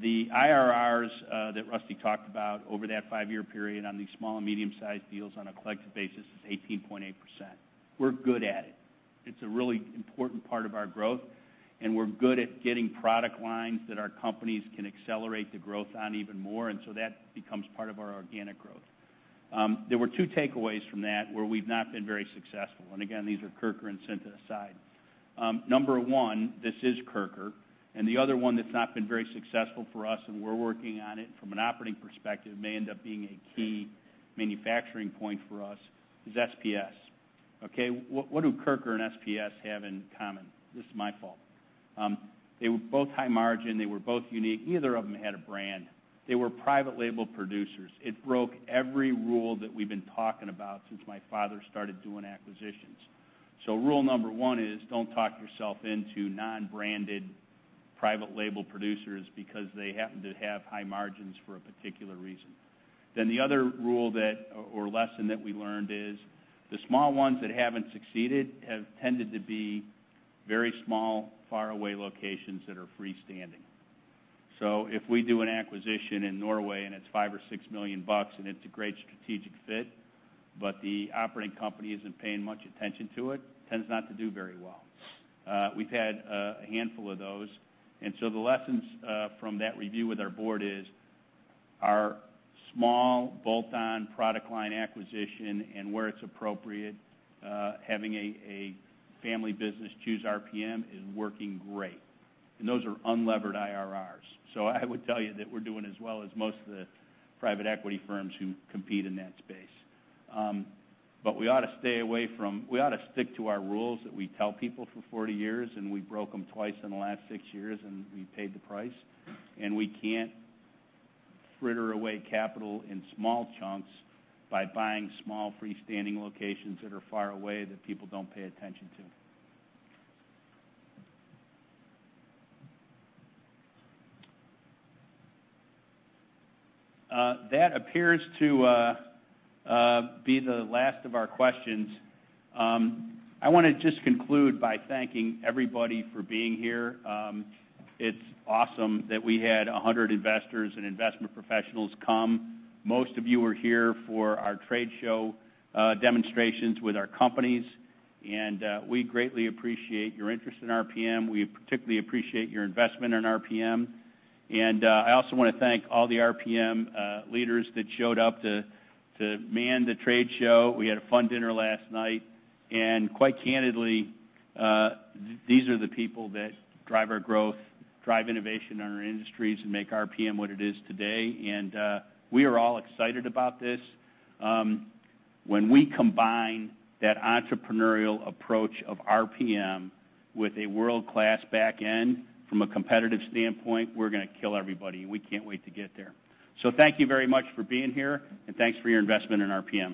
The IRRs that Rusty talked about over that 5-year period on these small and medium-sized deals on a collective basis is 18.8%. We're good at it. It's a really important part of our growth, and we're good at getting product lines that our companies can accelerate the growth on even more. That becomes part of our organic growth. There were two takeaways from that where we've not been very successful. Again, these are Kirker and Cintia aside. Number 1, this is Kirker, and the other one that's not been very successful for us, and we're working on it from an operating perspective, may end up being a key manufacturing point for us is SPS. Okay? What do Kirker and SPS have in common? This is my fault. They were both high margin. They were both unique. Neither of them had a brand. They were private label producers. It broke every rule that we've been talking about since my father started doing acquisitions. Rule number 1 is don't talk yourself into non-branded private label producers because they happen to have high margins for a particular reason. The other rule or lesson that we learned is the small ones that haven't succeeded have tended to be very small, far away locations that are freestanding. If we do an acquisition in Norway and it's $5 million or $6 million and it's a great strategic fit, but the operating company isn't paying much attention to it, tends not to do very well. We've had a handful of those. The lessons from that review with our board is our small bolt-on product line acquisition and where it's appropriate, having a family business choose RPM is working great. Those are unlevered IRRs. I would tell you that we're doing as well as most of the private equity firms who compete in that space. We ought to stick to our rules that we tell people for 40 years, and we broke them twice in the last six years, and we paid the price. We can't fritter away capital in small chunks by buying small freestanding locations that are far away that people don't pay attention to. That appears to be the last of our questions. I want to just conclude by thanking everybody for being here. It's awesome that we had 100 investors and investment professionals come. Most of you are here for our trade show demonstrations with our companies, and we greatly appreciate your interest in RPM. We particularly appreciate your investment in RPM. I also want to thank all the RPM leaders that showed up to man the trade show. We had a fun dinner last night. Quite candidly, these are the people that drive our growth, drive innovation in our industries, and make RPM what it is today. We are all excited about this. When we combine that entrepreneurial approach of RPM with a world-class back end from a competitive standpoint, we're going to kill everybody. We can't wait to get there. Thank you very much for being here, and thanks for your investment in RPM.